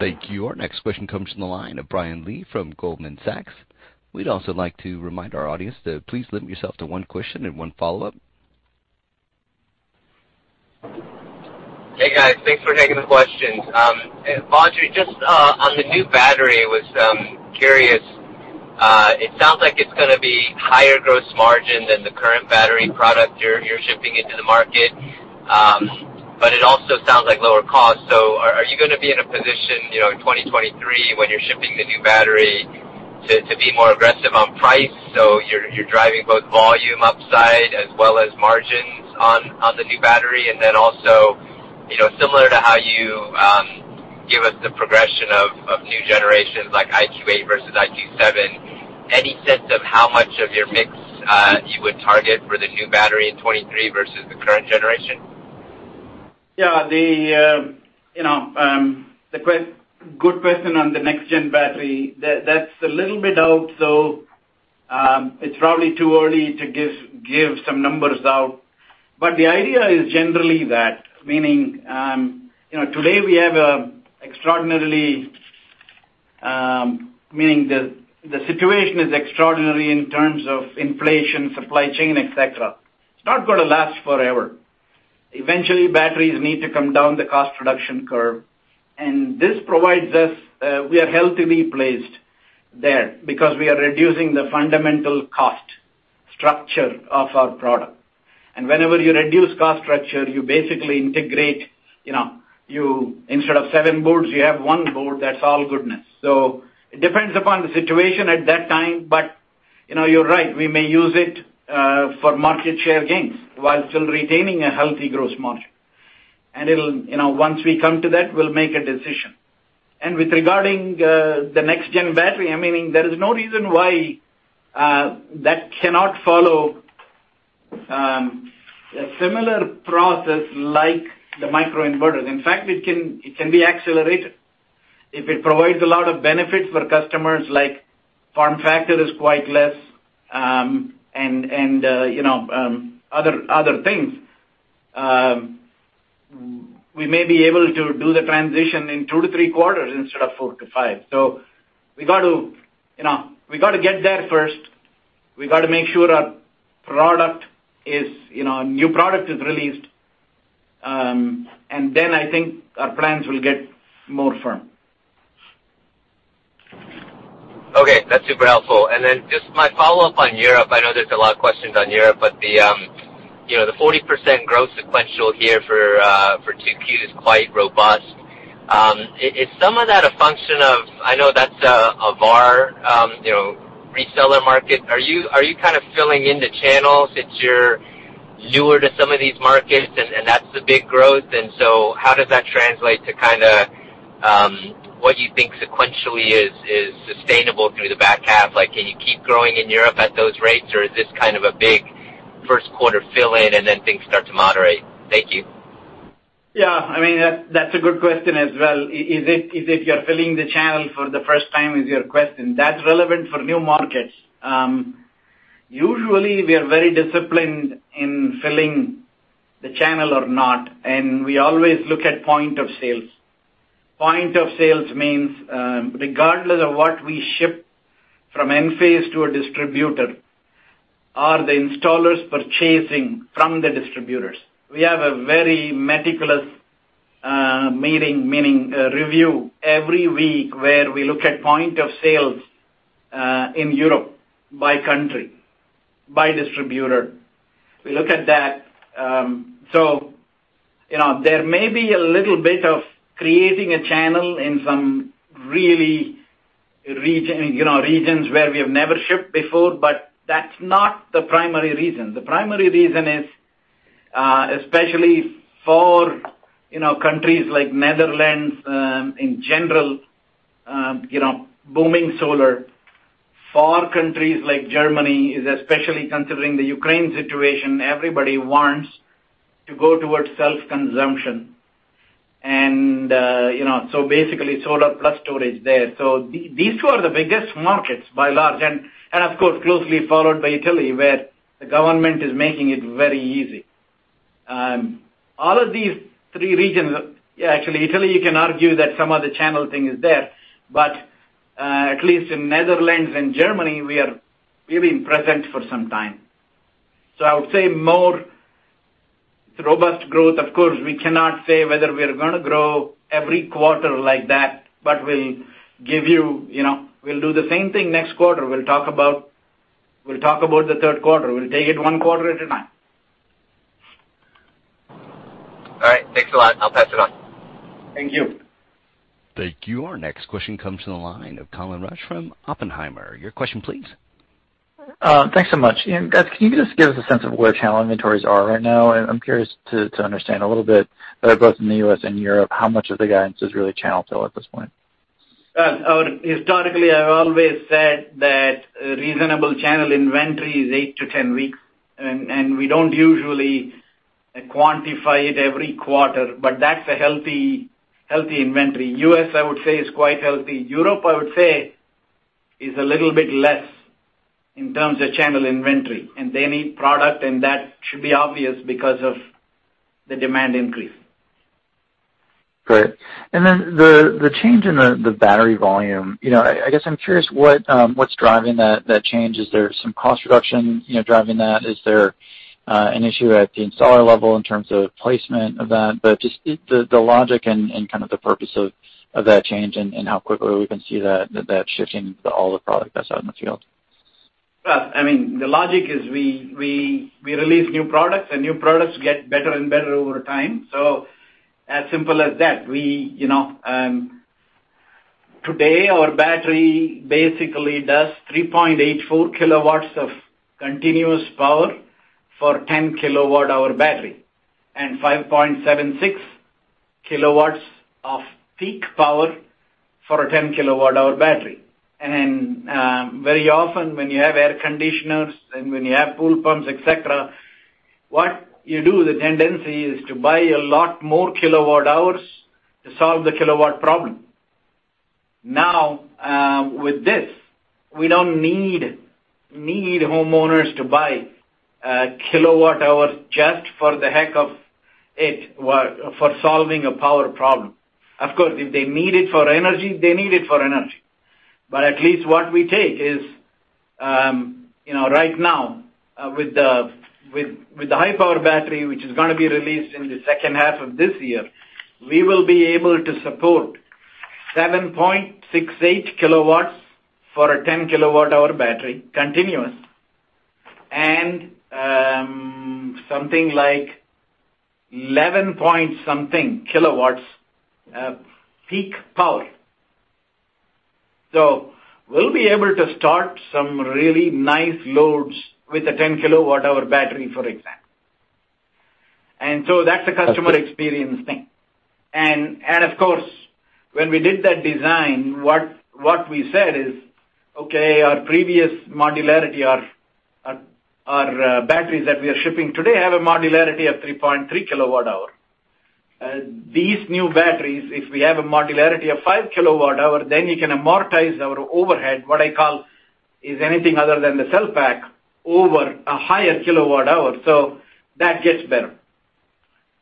Thank you. Our next question comes from the line of Brian Lee from Goldman Sachs. We'd also like to remind our audience to please limit yourself to one question and one follow-up. Hey, guys. Thanks for taking the questions. Badri, just on the new battery, I was curious, it sounds like it's gonna be higher gross margin than the current battery product you're shipping into the market, but it also sounds like lower cost. Are you gonna be in a position, you know, in 2023 when you're shipping the new battery to be more aggressive on price, so you're driving both volume upside as well as margins on the new battery? Then also, you know, similar to how you give us the progression of new generations like IQ8 versus IQ7, any sense of how much of your mix you would target for the new battery in 2023 versus the current generation? Yeah. The, you know, good question on the next gen battery. That's a little bit out, so, it's probably too early to give some numbers out. The idea is generally that, meaning, you know, today we have a extraordinarily, meaning the situation is extraordinary in terms of inflation, supply chain, et cetera. It's not gonna last forever. Eventually, batteries need to come down the cost reduction curve. This provides us, we are healthily placed there because we are reducing the fundamental cost structure of our product. Whenever you reduce cost structure, you basically integrate, you know, you instead of seven boards, you have one board, that's all goodness. It depends upon the situation at that time. You know, you're right, we may use it for market share gains while still retaining a healthy gross margin. It'll. You know, once we come to that, we'll make a decision. Regarding the next-gen battery, I mean, there is no reason why that cannot follow a similar process like the microinverters. In fact, it can be accelerated. If it provides a lot of benefits for customers, like form factor is quite less, and other things, we may be able to do the transition in two-three quarters instead of four-five. We got to get there first. We got to make sure our product is new product is released, and then I think our plans will get more firm. Okay. That's super helpful. Then just my follow-up on Europe, I know there's a lot of questions on Europe, but the, you know, the 40% growth sequential here for 2Q is quite robust. Is some of that a function of? I know that's a VAR reseller market. Are you kind of filling in the channels since you're newer to some of these markets and that's the big growth? How does that translate to kinda what you think sequentially is sustainable through the back half? Like, can you keep growing in Europe at those rates, or is this kind of a big first quarter fill-in, and then things start to moderate? Thank you. Yeah. I mean, that's a good question as well. Is it you're filling the channel for the first time, is your question. That's relevant for new markets. Usually, we are very disciplined in filling the channel or not, and we always look at point of sales. Point of sales means, regardless of what we ship from Enphase to a distributor, are the installers purchasing from the distributors? We have a very meticulous meeting, meaning a review every week where we look at point of sales in Europe by country, by distributor. We look at that. So, you know, there may be a little bit of creating a channel in some regions where we have never shipped before, but that's not the primary reason. The primary reason is, especially for, you know, countries like Netherlands, in general, you know, booming solar. For countries like Germany is especially considering the Ukraine situation, everybody wants to go towards self-consumption and, you know, so basically solar plus storage there. These two are the biggest markets by far, and of course, closely followed by Italy, where the government is making it very easy. All of these three regions. Actually, Italy, you can argue that some of the channel thing is there. At least in Netherlands and Germany, we've been present for some time. I would say more robust growth. Of course, we cannot say whether we are gonna grow every quarter like that, but we'll give you know, we'll do the same thing next quarter. We'll talk about the third quarter. We'll take it one quarter at a time. All right. Thanks a lot. I'll pass it on. Thank you. Thank you. Our next question comes from the line of Colin Rusch from Oppenheimer. Your question, please. Thanks so much. Guys, can you just give us a sense of where channel inventories are right now? I'm curious to understand a little bit, both in the U.S. and Europe, how much of the guidance is really channel fill at this point. Historically, I've always said that reasonable channel inventory is eight-10 weeks, and we don't usually quantify it every quarter, but that's a healthy inventory. U.S., I would say, is quite healthy. Europe, I would say, is a little bit less in terms of channel inventory, and they need product, and that should be obvious because of the demand increase. Great. Then the change in the battery volume, you know, I guess I'm curious what's driving that change. Is there some cost reduction, you know, driving that? Is there an issue at the installer level in terms of placement of that? Just the logic and kind of the purpose of that change and how quickly we can see that shifting to all the product that's out in the field. Well, I mean, the logic is we release new products, and new products get better and better over time, so as simple as that. We, you know, today our battery basically does 3.84 kW of continuous power for 10 kWh battery and 5.76 kW of peak power for a 10 kWh battery. Very often when you have air conditioners and when you have pool pumps, et cetera, what you do, the tendency is to buy a lot more kWh to solve the kW problem. Now, with this, we don't need homeowners to buy kWh just for the heck of it or for solving a power problem. Of course, if they need it for energy, they need it for energy. At least what we take is, you know, right now, with the high power battery, which is gonna be released in the second half of this year, we will be able to support 7.68 kW for a 10 kWh battery, continuous. Something like 11.something kW peak power. We'll be able to start some really nice loads with a 10 kWh battery, for example. That's a customer experience thing. Of course, when we did that design, what we said is, okay, our previous modularity, our batteries that we are shipping today have a modularity of 3.3 kWh. These new batteries, if we have a modularity of 5 kWh, then you can amortize our overhead, what I call is anything other than the cell pack, over a higher kWh, so that gets better.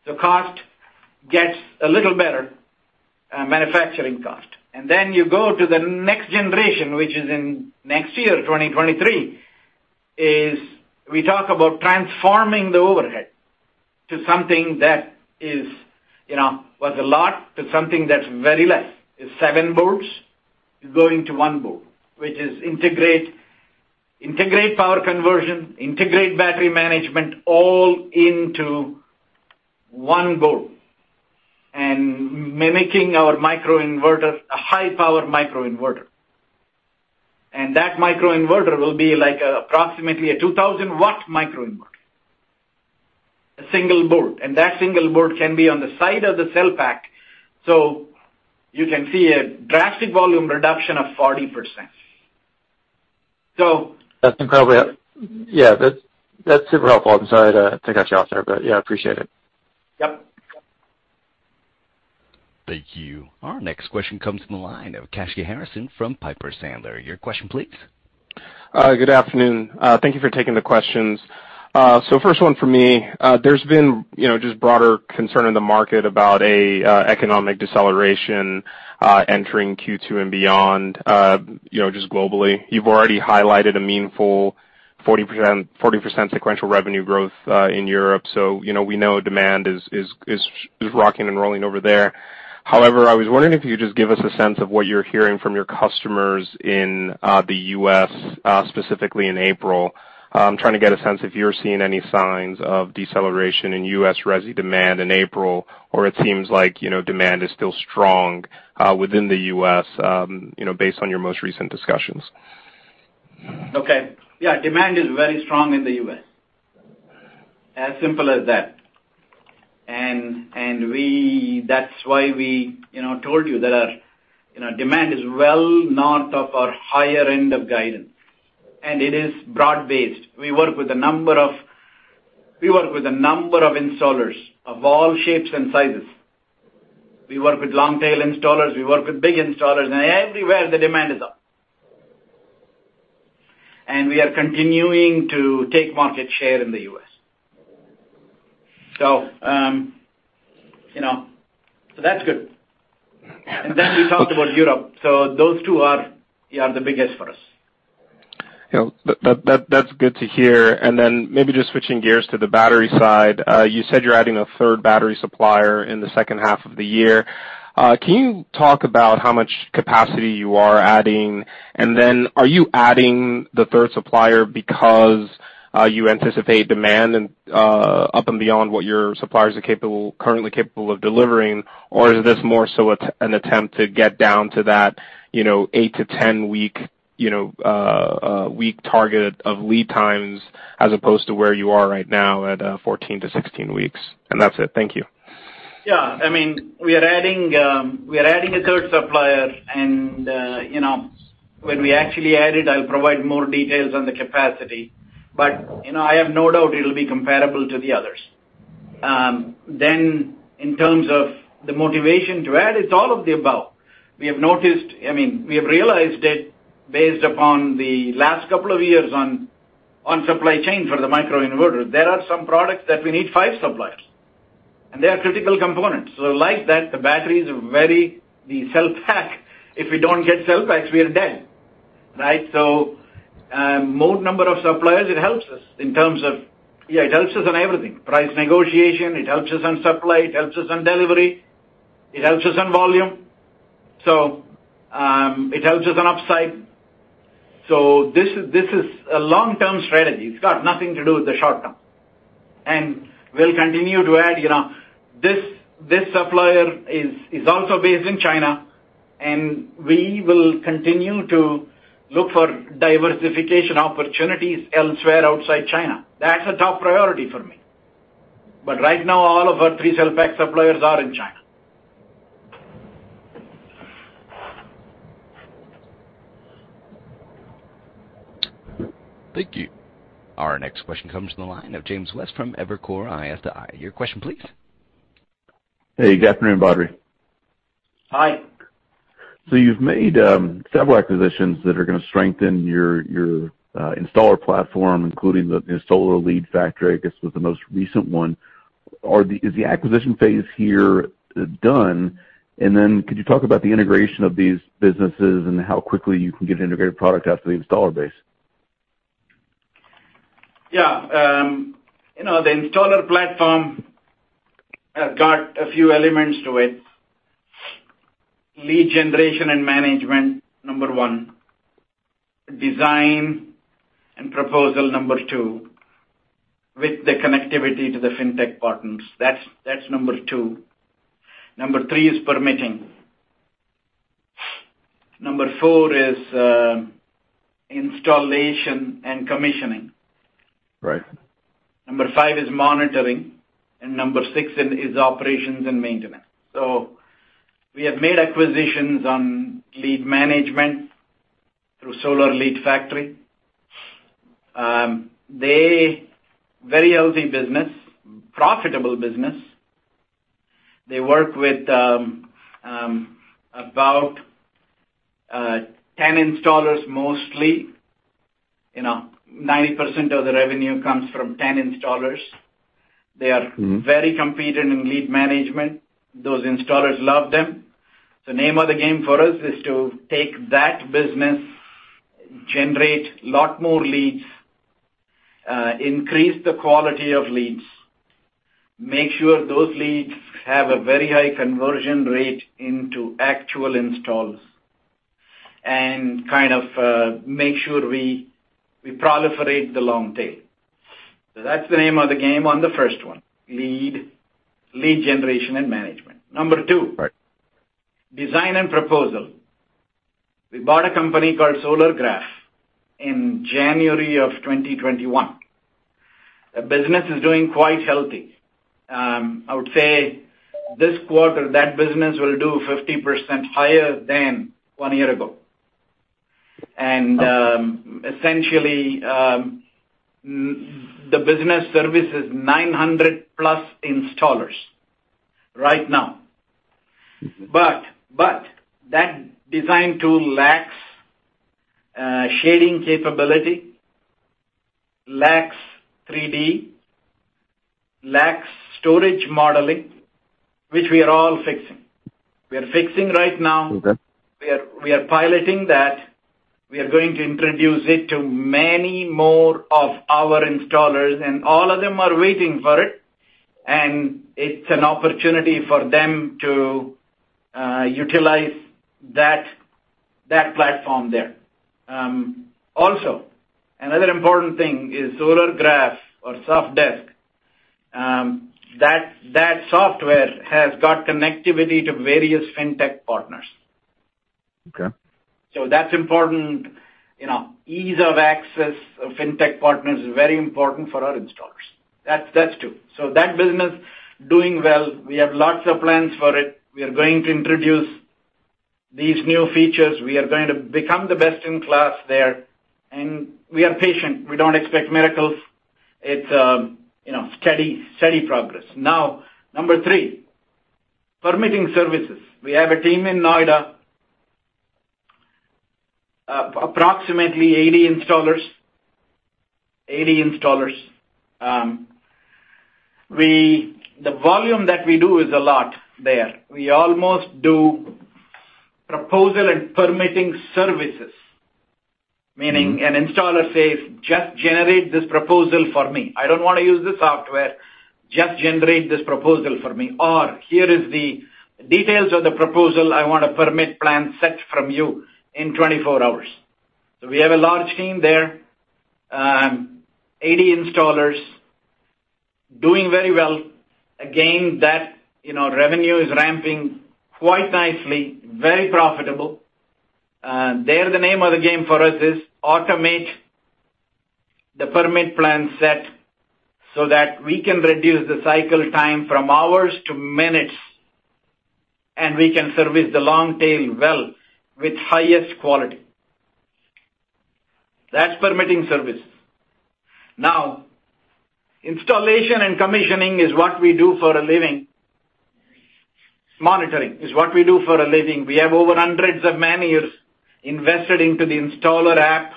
The cost gets a little better, manufacturing cost. Then you go to the next generation, which is in next year, 2023, is we talk about transforming the overhead to something that is, you know, was a lot, to something that's very less. It's seven boards going to one board, which is integrate power conversion, integrate battery management all into one board. Mimicking our microinverter, a high-power microinverter. That microinverter will be like approximately a 2000-watt microinverter. A single board. That single board can be on the side of the cell pack, so you can see a drastic volume reduction of 40%. That's incredible. Yeah, that's super helpful. I'm sorry to cut you off there, but yeah, I appreciate it. Yeah. Thank you. Our next question comes from the line of Kashy Harrison from Piper Sandler. Your question please. Good afternoon. Thank you for taking the questions. First one for me. There's been, you know, just broader concern in the market about a economic deceleration entering Q2 and beyond, you know, just globally. You've already highlighted a meaningful 40% sequential revenue growth in Europe. We know demand is rocking and rolling over there. However, I was wondering if you could just give us a sense of what you're hearing from your customers in the U.S., specifically in April, trying to get a sense if you're seeing any signs of deceleration in U.S. resi demand in April, or it seems like, you know, demand is still strong within the U.S., you know, based on your most recent discussions. Okay. Yeah, demand is very strong in the U.S. As simple as that. That's why we, you know, told you that our, you know, demand is well north of our higher end of guidance, and it is broad-based. We work with a number of installers of all shapes and sizes. We work with long tail installers, we work with big installers, and everywhere the demand is up. We are continuing to take market share in the U.S. You know, that's good. We talked about Europe. Those two are, yeah, the biggest for us. You know, that's good to hear. Maybe just switching gears to the battery side. You said you're adding a third battery supplier in the second half of the year. Can you talk about how much capacity you are adding? Are you adding the third supplier because you anticipate demand up and beyond what your suppliers are currently capable of delivering, or is this more so it's an attempt to get down to that, you know, eight-10-week target of lead times as opposed to where you are right now at 14-16 weeks? That's it. Thank you. Yeah. I mean, we are adding a third supplier and you know, when we actually add it, I'll provide more details on the capacity. You know, I have no doubt it'll be comparable to the others. In terms of the motivation to add, it's all of the above. I mean, we have realized it based upon the last couple of years on supply chain for the microinverter. There are some products that we need five suppliers, and they are critical components. Like that, the batteries, the cell pack, if we don't get cell packs, we are dead, right? More number of suppliers. Yeah, it helps us on everything. Price negotiation, it helps us on supply, it helps us on delivery, it helps us on volume. It helps us on upside. This is a long-term strategy. It's got nothing to do with the short term. We'll continue to add. This supplier is also based in China, and we will continue to look for diversification opportunities elsewhere outside China. That's a top priority for me. Right now, all of our pre-cell pack suppliers are in China. Thank you. Our next question comes from the line of James West from Evercore ISI. Your question please. Hey, good afternoon, Badri. Hi. You've made several acquisitions that are gonna strengthen your installer platform, including the SolarLeadFactory, I guess, was the most recent one. Is the acquisition phase here done? Could you talk about the integration of these businesses and how quickly you can get an integrated product out to the installer base? Yeah. You know, the installer platform has got a few elements to it. Lead generation and management, number one. Design and proposal, number two, with the connectivity to the fintech partners. That's number two. Number three is permitting. Number four is installation and commissioning. Right. Number five is monitoring, and Number six is operations and maintenance. We have made acquisitions on lead management through SolarLeadFactory. They very healthy business, profitable business. They work with about 10 installers mostly. You know, 90% of the revenue comes from 10 installers. They are very competent in lead management. Those installers love them. The name of the game for us is to take that business, generate a lot more leads, increase the quality of leads, make sure those leads have a very high conversion rate into actual installs, and kind of make sure we proliferate the long tail. That's the name of the game on the first one, lead generation and management. Number two. Right. Design and proposal. We bought a company called Solargraf in January 2021. The business is doing quite healthy. I would say this quarter, that business will do 50% higher than one year ago. Essentially, the business services 900+ installers right now. That design tool lacks shading capability, lacks 3D, lacks storage modeling, which we are all fixing right now. Okay. We are piloting that. We are going to introduce it to many more of our installers, and all of them are waiting for it, and it's an opportunity for them to utilize that platform there. Also, another important thing is Solargraf or Sofdesk, that software has got connectivity to various fintech partners. Okay. That's important. You know, ease of access of fintech partners is very important for our installers. That's two. That business doing well. We have lots of plans for it. We are going to introduce these new features. We are going to become the best in class there, and we are patient. We don't expect miracles. It's, you know, steady progress. Now, number three, permitting services. We have a team in Noida, approximately 80 installers. The volume that we do is a lot there. We almost do proposal and permitting services. Meaning an installer says, "Just generate this proposal for me. I don't wanna use the software, just generate this proposal for me." Or, "Here is the details of the proposal, I want a permit plan set from you in 24 hours." We have a large team there. 80 installers doing very well. Again, that, you know, revenue is ramping quite nicely, very profitable. There the name of the game for us is automate the permit plan set so that we can reduce the cycle time from hours to minutes, and we can service the long tail well with highest quality. That's permitting services. Now, installation and commissioning is what we do for a living. Monitoring is what we do for a living. We have over hundreds of man-years invested into the installer app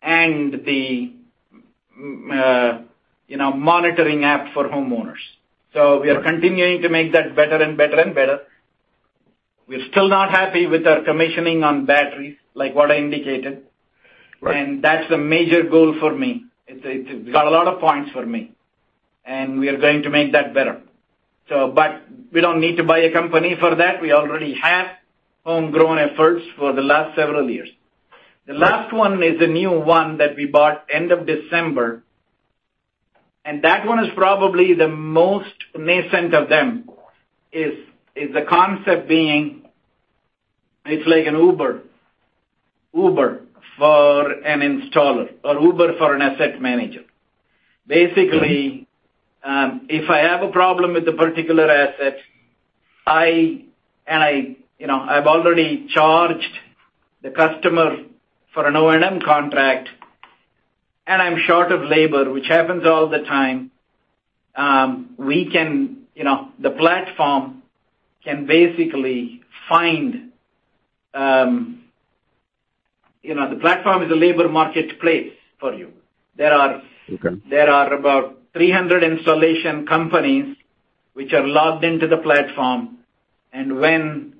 and the, you know, monitoring app for homeowners. Okay. We are continuing to make that better and better and better. We're still not happy with our commissioning on batteries, like what I indicated. Right. That's a major goal for me. It's got a lot of points for me, and we are going to make that better. But we don't need to buy a company for that. We already have homegrown efforts for the last several years. Right. The last one is a new one that we bought end of December, and that one is probably the most nascent of them, is the concept being, it's like an Uber for an installer or Uber for an asset manager. Basically, if I have a problem with a particular asset, and you know, I've already charged the customer for an O&M contract, and I'm short of labor, which happens all the time, you know, the platform can basically find, you know, the platform is a labor marketplace for you. There are about 300 installation companies which are logged into the platform. When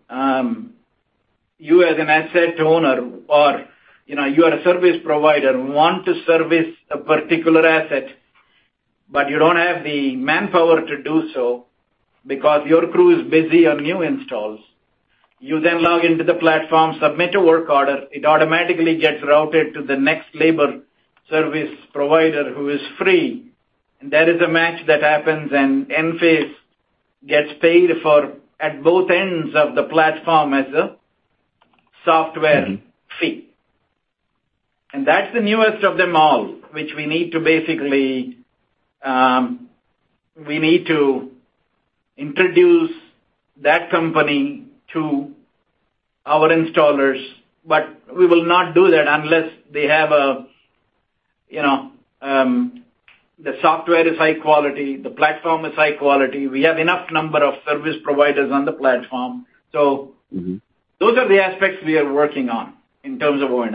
you as an asset owner or, you know, you are a service provider want to service a particular asset, but you don't have the manpower to do so because your crew is busy on new installs. You then log into the platform, submit a work order, it automatically gets routed to the next labor service provider who is free. That is a match that happens, and Enphase gets paid for at both ends of the platform as a software fee. That's the newest of them all, which we need to basically introduce that company to our installers. We will not do that unless they have a, you know, the software is high quality, the platform is high quality. We have enough number of service providers on the platform. Those are the aspects we are working on in terms of O&M.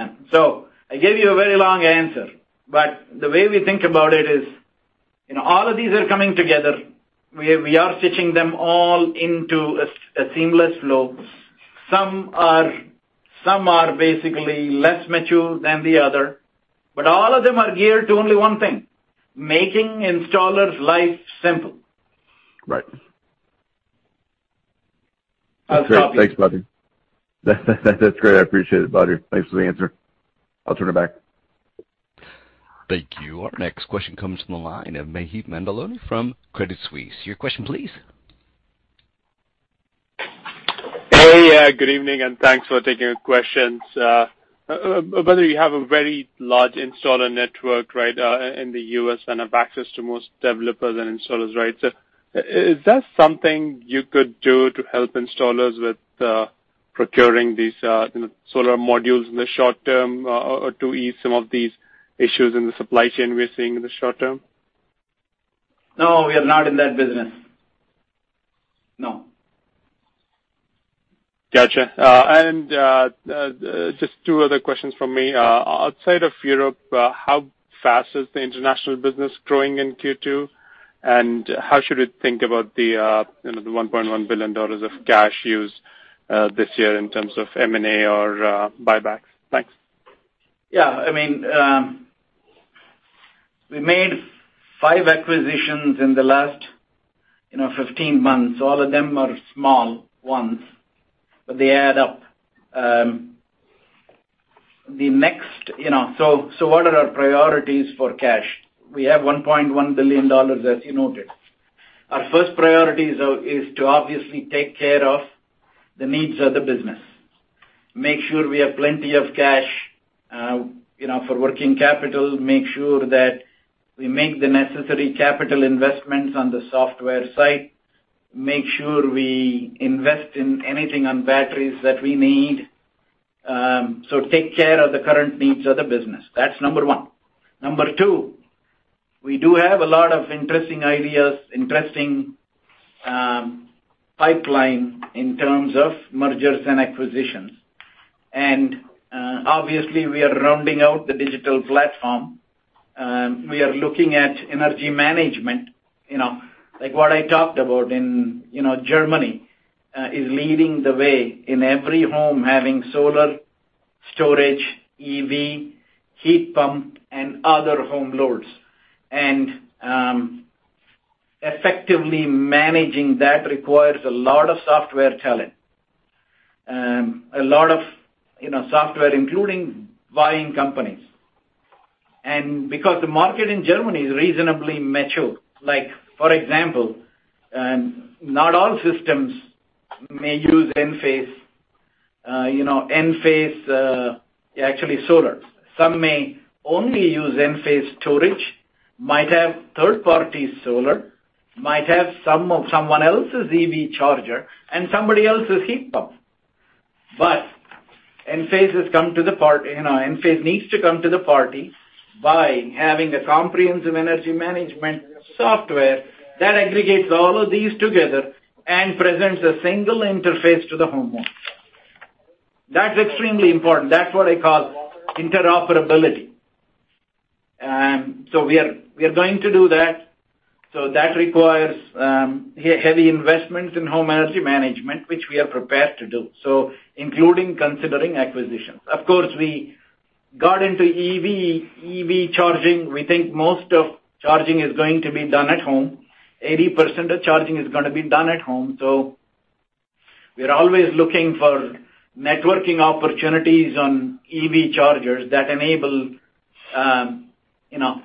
I gave you a very long answer, but the way we think about it is, you know, all of these are coming together. We are stitching them all into a seamless flow. Some are basically less mature than the other, but all of them are geared to only one thing: making installers' life simple. Right. I'll stop here. Thanks, Badri. That's great. I appreciate it, Badri. Thanks for the answer. I'll turn it back. Thank you. Our next question comes from the line of Maheep Mandloi from Credit Suisse. Your question please. Hey. Good evening, and thanks for taking the questions. Badri, you have a very large installer network, right, in the U.S. and have access to most developers and installers, right? Is there something you could do to help installers with procuring these, you know, solar modules in the short term, or to ease some of these issues in the supply chain we are seeing in the short term? No, we are not in that business. No. Gotcha. Just two other questions from me. Outside of Europe, how fast is the international business growing in Q2? How should we think about the $1.1 billion of cash used this year in terms of M&A or buybacks? Thanks. I mean, we made five acquisitions in the last, you know, 15 months. All of them are small ones, but they add up. So what are our priorities for cash? We have $1.1 billion, as you noted. Our first priority is to obviously take care of the needs of the business, make sure we have plenty of cash, you know, for working capital, make sure that we make the necessary capital investments on the software side, make sure we invest in anything on batteries that we need. So take care of the current needs of the business. That's number one. Number two, we do have a lot of interesting ideas, interesting pipeline in terms of mergers and acquisitions. Obviously, we are rounding out the digital platform. We are looking at energy management, you know, like what I talked about in, you know, Germany, is leading the way in every home having solar storage, EV, heat pump, and other home loads. Effectively managing that requires a lot of software talent. A lot of, you know, software, including buying companies. Because the market in Germany is reasonably mature, like for example, not all systems may use Enphase, you know, Enphase actually solar. Some may only use Enphase storage, might have third-party solar, might have some of someone else's EV charger and somebody else's heat pump. Enphase needs to come to the party by having a comprehensive energy management software that aggregates all of these together and presents a single interface to the homeowner. That's extremely important. That's what I call interoperability. We are going to do that. That requires heavy investments in home energy management, which we are prepared to do, including considering acquisitions. Of course, we got into EV charging. We think most of charging is going to be done at home. 80% of charging is gonna be done at home. We are always looking for networking opportunities on EV chargers that enable, you know,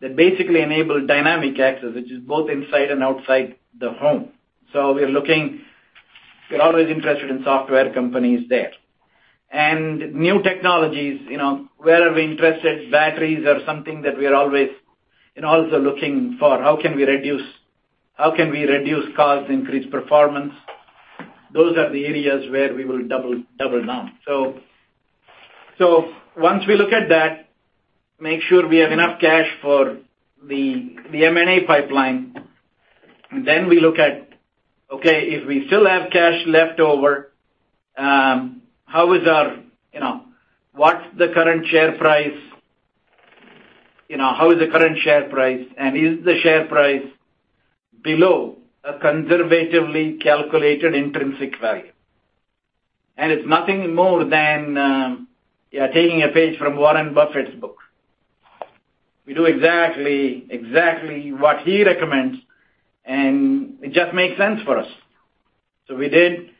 that basically enable dynamic access, which is both inside and outside the home. We are always interested in software companies there. New technologies, you know, where are we interested? Batteries are something that we are always, you know, also looking for. How can we reduce cost, increase performance? Those are the areas where we will double down. Once we look at that, make sure we have enough cash for the M&A pipeline, then we look at, okay, if we still have cash left over, how is our, you know, what's the current share price? You know, how is the current share price and is the share price below a conservatively calculated intrinsic value? It's nothing more than taking a page from Warren Buffett's book. We do exactly what he recommends, and it just makes sense for us. We did.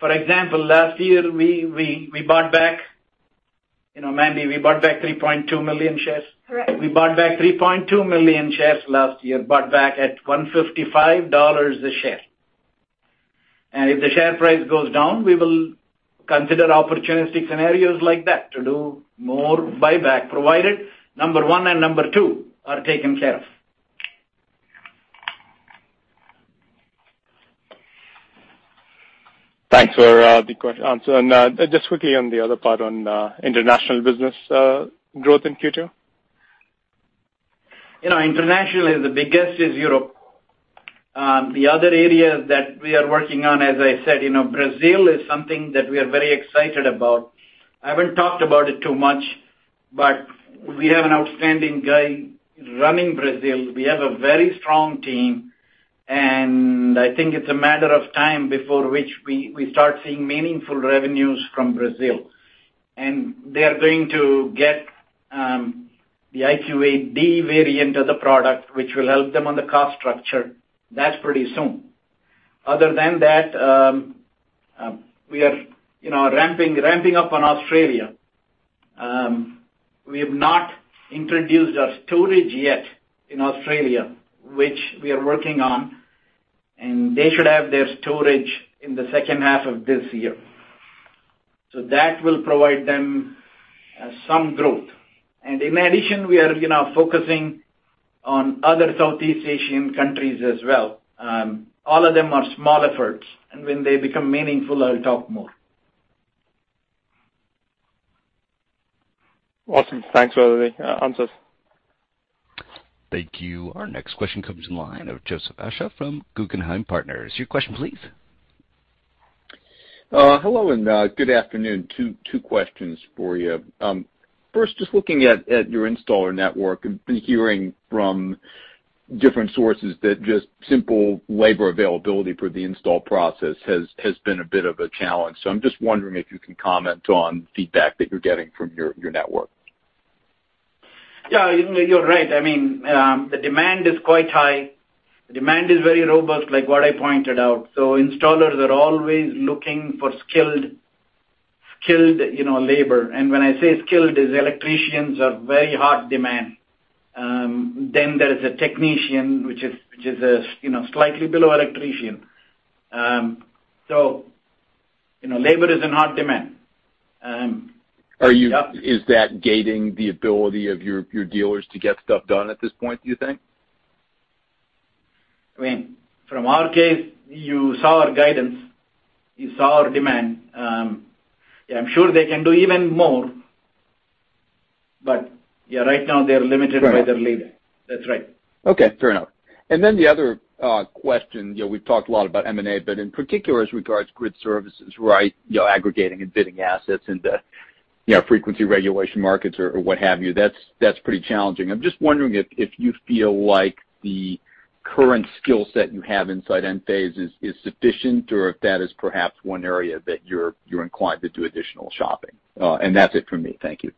For example, last year, we bought back, you know, Mandy, we bought back 3.2 million shares. Correct. We bought back 3.2 million shares last year, bought back at $155 a share. If the share price goes down, we will consider opportunistic scenarios like that to do more buyback, provided number one and number two are taken care of. Thanks for the answer. Just quickly on the other portion of international business growth in Q2. You know, internationally, the biggest is Europe. The other areas that we are working on, as I said, you know, Brazil is something that we are very excited about. I haven't talked about it too much, but we have an outstanding guy running Brazil. We have a very strong team, and I think it's a matter of time before which we start seeing meaningful revenues from Brazil. They are going to get the IQ8D variant of the product, which will help them on the cost structure. That's pretty soon. Other than that, we are, you know, ramping up on Australia. We have not introduced our storage yet in Australia, which we are working on, and they should have their storage in the second half of this year. That will provide them some growth. In addition, we are, you know, focusing on other Southeast Asian countries as well. All of them are small efforts, and when they become meaningful, I'll talk more. Awesome. Thanks for the answers. Thank you. Our next question comes from the line of Joseph Osha from Guggenheim Securities. Your question please. Hello and good afternoon. Two questions for you. First, just looking at your installer network and been hearing from different sources that just simple labor availability for the install process has been a bit of a challenge. I'm just wondering if you can comment on feedback that you're getting from your network. Yeah, you're right. I mean, the demand is quite high. The demand is very robust like what I pointed out. Installers are always looking for skilled, you know, labor. When I say skilled, electricians are in very hot demand. Then there is a technician, which is, you know, slightly below electrician. You know, labor is in hot demand. Is that gating the ability of your dealers to get stuff done at this point, do you think? I mean, from our case, you saw our guidance, you saw our demand. Yeah, I'm sure they can do even more, but yeah, right now they are limited by their labor. That's right. Okay. Fair enough. The other question, you know, we've talked a lot about M&A, but in particular as regards grid services, right? You know, aggregating and bidding assets into, you know, frequency regulation markets or what have you. That's pretty challenging. I'm just wondering if you feel like the current skill set you have inside Enphase is sufficient or if that is perhaps one area that you're inclined to do additional shopping. That's it for me. Thank you.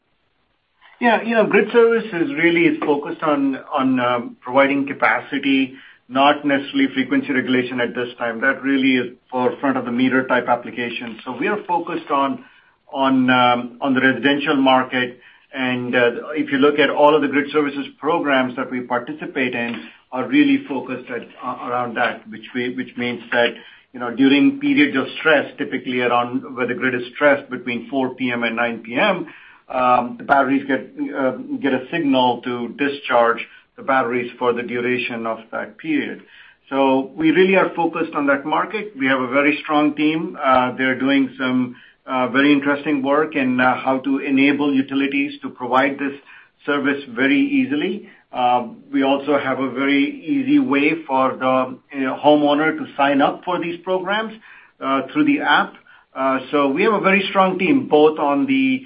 Yeah, you know, grid services really is focused on providing capacity, not necessarily frequency regulation at this time. That really is for front of the meter type application. We are focused on the residential market. If you look at all of the grid services programs that we participate in are really focused around that, which means that, you know, during periods of stress, typically around where the grid is stressed between 4:00 P.M. and 9:00 P.M., the batteries get a signal to discharge the batteries for the duration of that period. We really are focused on that market. We have a very strong team. They're doing some very interesting work in how to enable utilities to provide this service very easily. We also have a very easy way for the, you know, homeowner to sign up for these programs through the app. We have a very strong team both on the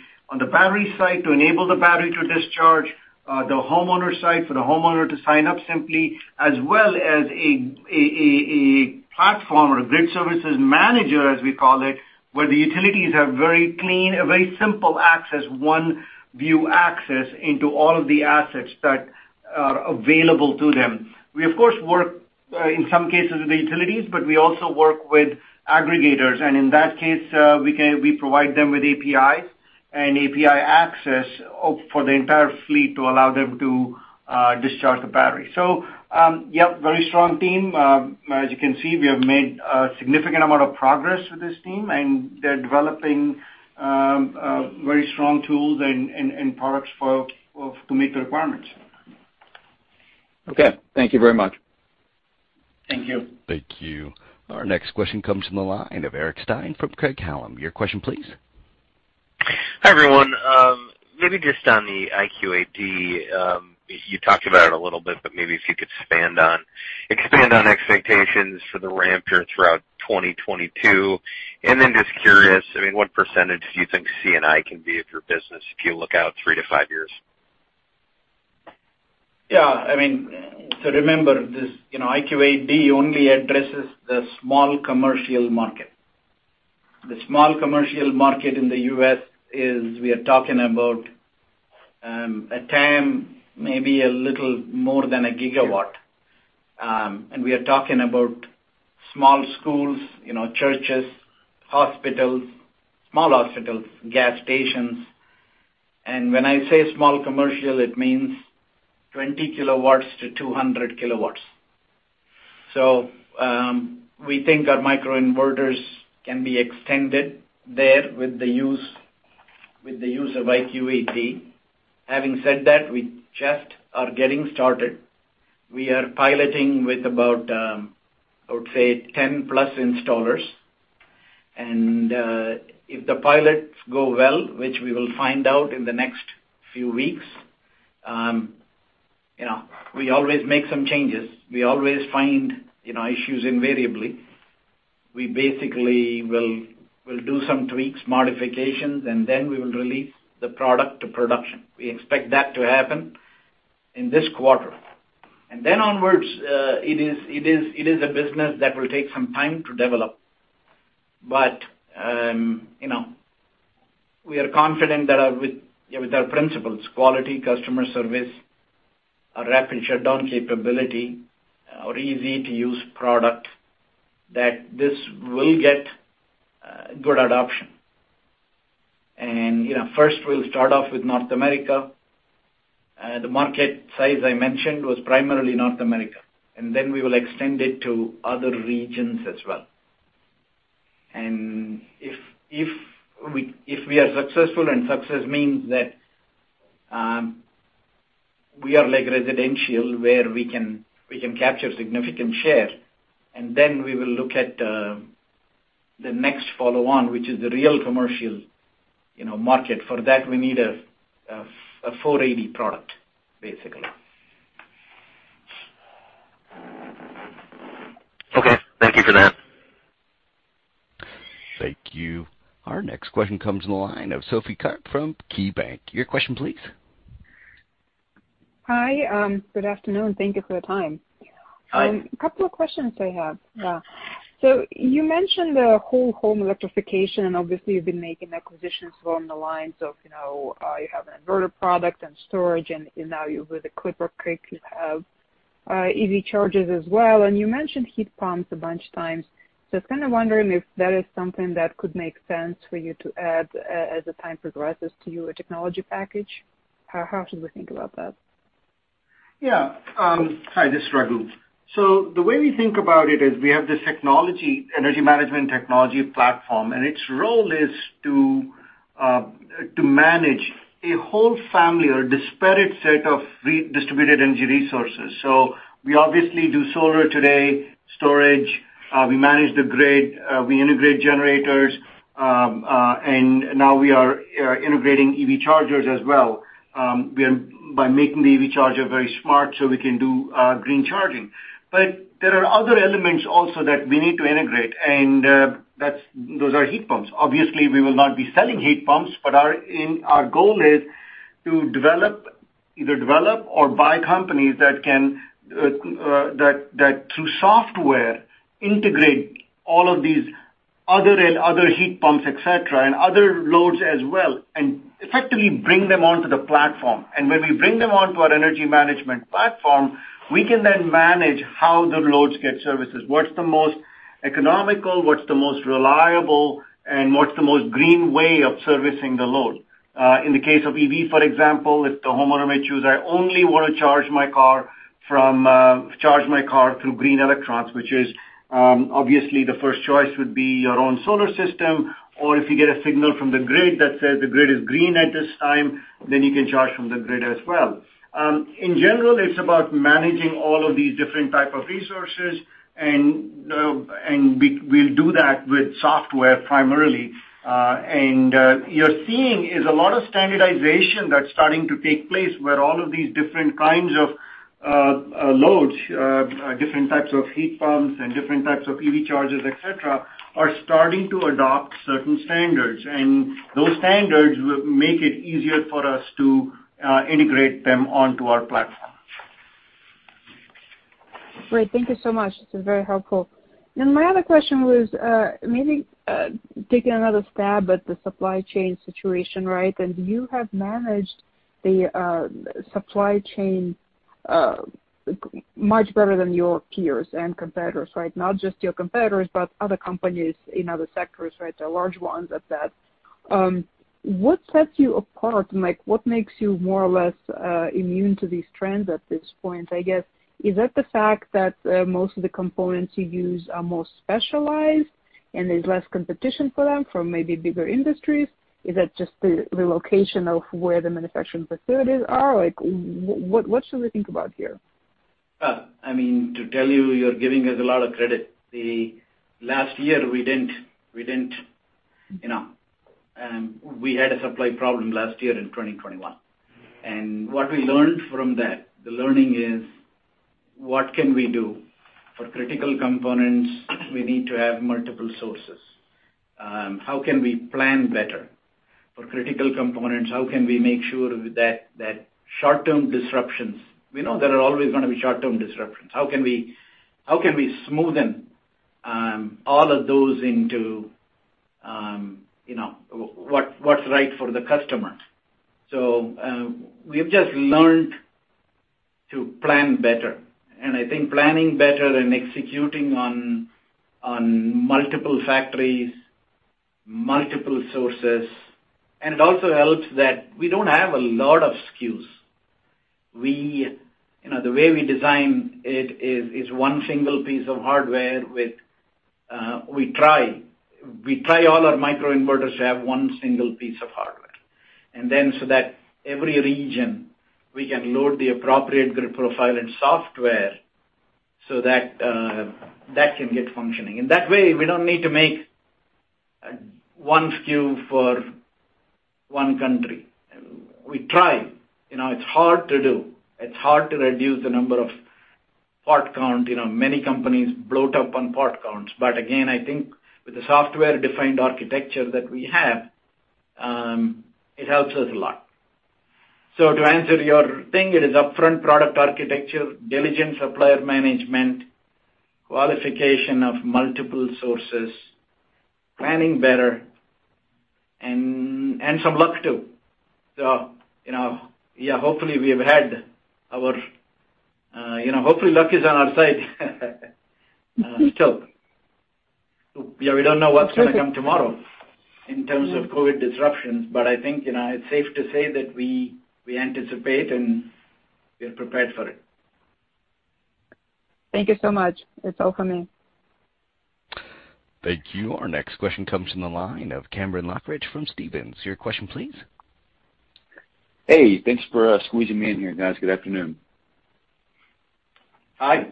battery side to enable the battery to discharge, the homeowner side for the homeowner to sign up simply, as well as a platform or a grid services manager, as we call it, where the utilities have very clean, a very simple access, one view access into all of the assets that are available to them. We of course work in some cases with the utilities, but we also work with aggregators. In that case, we provide them with APIs and API access for the entire fleet to allow them to discharge the battery. Yeah, very strong team. As you can see, we have made a significant amount of progress with this team and they're developing very strong tools and products to meet the requirements. Okay. Thank you very much. Thank you. Thank you. Our next question comes from the line of Eric Stine from Craig-Hallum. Your question please. Hi, everyone. Maybe just on the IQ8D, you talked about it a little bit, but maybe if you could expand on. Expand on expectations for the ramp here throughout 2022. Just curious, I mean, what percentage do you think C&I can be of your business if you look out three-five years? Yeah. I mean, remember this, you know, IQ8D only addresses the small commercial market. The small commercial market in the U.S. is, we are talking about a TAM, maybe a little more than a GW. We are talking about small schools, you know, churches, hospitals, small hospitals, gas stations. When I say small commercial, it means 20 kWs-200 kWs. We think our microinverters can be extended there with the use of IQ8D. Having said that, we just are getting started. We are piloting with about, I would say, 10+ installers. If the pilots go well, which we will find out in the next few weeks, you know, we always make some changes. We always find, you know, issues invariably. We basically will do some tweaks, modifications, and then we will release the product to production. We expect that to happen in this quarter. Then onwards, it is a business that will take some time to develop. We are confident that with our principles, quality, customer service, a rapid shutdown capability, our easy-to-use product, that this will get good adoption. You know, first we'll start off with North America. The market size I mentioned was primarily North America, and then we will extend it to other regions as well. If we are successful, and success means that we are like residential, where we can capture significant share, and then we will look at the next follow on, which is the real commercial, you know, market. For that, we need a 480 product, basically. Okay. Thank you for that. Thank you. Our next question comes on the line of Sophie Karp from KeyBanc. Your question please. Hi. Good afternoon. Thank you for the time. Hi. A couple of questions I have. You mentioned the whole home electrification, and obviously you've been making acquisitions along the lines of, you know, you have an inverter product and storage and now you with the ClipperCreek you have EV chargers as well. And you mentioned heat pumps a bunch of times. I was wondering if that is something that could make sense for you to add as the time progresses to your technology package. How should we think about that? Hi. This is Raghu. The way we think about it is we have this technology, energy management technology platform, and its role is to manage a whole family or disparate set of distributed energy resources. We obviously do solar today, storage, we manage the grid, we integrate generators, and now we are integrating EV chargers as well by making the EV charger very smart, so we can do green charging. But there are other elements also that we need to integrate, and those are heat pumps. Obviously, we will not be selling heat pumps, but our goal is to either develop or buy companies that can, that through software, integrate all of these other heat pumps, et cetera, and other loads as well, and effectively bring them onto the platform. When we bring them onto our energy management platform, we can then manage how the loads get services. What's the most economical, what's the most reliable, and what's the most green way of servicing the load? In the case of EV, for example, if the homeowner may choose, I only wanna charge my car through green electrons, which is obviously the first choice would be your own solar system, or if you get a signal from the grid that says the grid is green at this time, then you can charge from the grid as well. In general, it's about managing all of these different type of resources and we'll do that with software primarily. What you're seeing is a lot of standardization that's starting to take place where all of these different kinds of loads, different types of heat pumps and different types of EV chargers, et cetera, are starting to adopt certain standards. Those standards will make it easier for us to integrate them onto our platform. Great. Thank you so much. This is very helpful. My other question was, maybe, taking another stab at the supply chain situation, right? You have managed the supply chain much better than your peers and competitors, right? Not just your competitors, but other companies in other sectors, right? The large ones at that. What sets you apart, and, like, what makes you more or less immune to these trends at this point? I guess, is that the fact that most of the components you use are more specialized and there's less competition for them from maybe bigger industries? Is that just the location of where the manufacturing facilities are? Like, what should we think about here? I mean, to tell you're giving us a lot of credit. The last year we didn't, you know, we had a supply problem last year in 2021. What we learned from that, the learning is what can we do for critical components, we need to have multiple sources. How can we plan better for critical components? How can we make sure that short-term disruptions. We know there are always gonna be short-term disruptions. How can we smoothen all of those into, you know, what's right for the customers? We've just learned to plan better, and I think planning better and executing on multiple factories, multiple sources. It also helps that we don't have a lot of SKUs. You know, the way we design it is one single piece of hardware with we try all our microinverters to have one single piece of hardware. Then every region, we can load the appropriate grid profile and software so that that can get functioning. In that way, we don't need to make one SKU for one country. We try. You know, it's hard to do. It's hard to reduce the number of part count. You know, many companies bloat up on part counts. But again, I think with the software-defined architecture that we have, it helps us a lot. To answer your thing, it is upfront product architecture, diligent supplier management, qualification of multiple sources, planning better and some luck, too. You know, yeah, hopefully luck is on our side still. Yeah, we don't know what's gonna come tomorrow in terms of COVID disruptions, but I think, you know, it's safe to say that we anticipate and we are prepared for it. Thank you so much. That's all for me. Thank you. Our next question comes from the line of Cameron Lochridge from Stephens. Your question, please. Hey, thanks for squeezing me in here, guys. Good afternoon. Hi.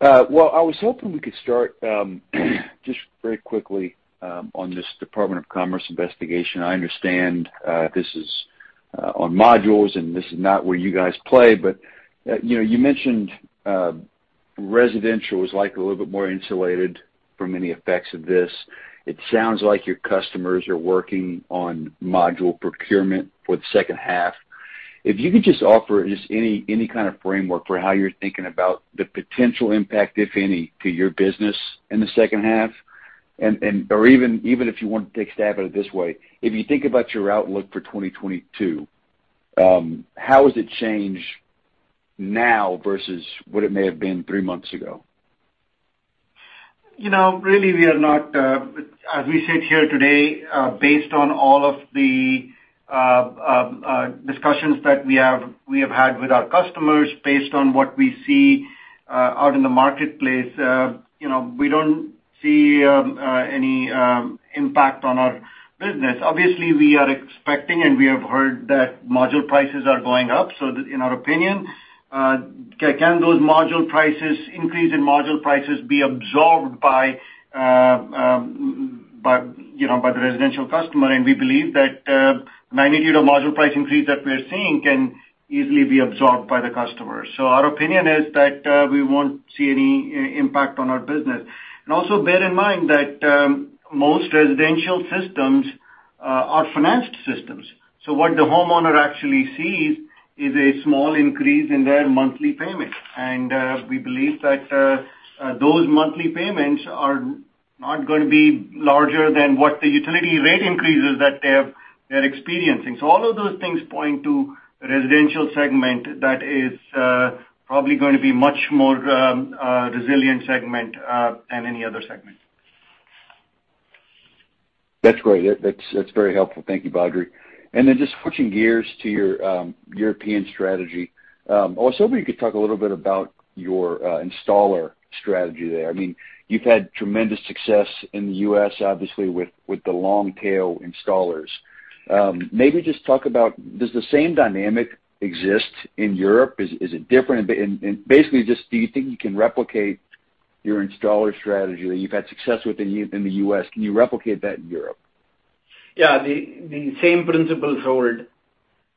Well, I was hoping we could start just very quickly on this U.S. Department of Commerce investigation. I understand this is on modules, and this is not where you guys play, but you know, you mentioned residential is likely a little bit more insulated from any effects of this. It sounds like your customers are working on module procurement for the second half. If you could just offer any kind of framework for how you're thinking about the potential impact, if any, to your business in the second half. Or even if you want to take a stab at it this way, if you think about your outlook for 2022, how has it changed now versus what it may have been three months ago? You know, really we are not, as we sit here today, based on all of the discussions that we have had with our customers, based on what we see out in the marketplace, you know, we don't see any impact on our business. Obviously, we are expecting, and we have heard that module prices are going up. In our opinion, can those module prices, increase in module prices be absorbed by, you know, by the residential customer? We believe that magnitude of module price increase that we are seeing can easily be absorbed by the customer. Our opinion is that we won't see any impact on our business. Also bear in mind that most residential systems are financed systems. What the homeowner actually sees is a small increase in their monthly payment. We believe that those monthly payments are not gonna be larger than what the utility rate increases that they're experiencing. All of those things point to Residential segment that is probably going to be much more resilient segment than any other segment. That's great. That's very helpful. Thank you, Badri. Then just switching gears to your European strategy. I was hoping you could talk a little bit about your installer strategy there. I mean, you've had tremendous success in the U.S., obviously with the long-tail installers. Maybe just talk about does the same dynamic exist in Europe? Is it different? Basically, just do you think you can replicate your installer strategy that you've had success with in the U.S., can you replicate that in Europe? Yeah. The same principles hold.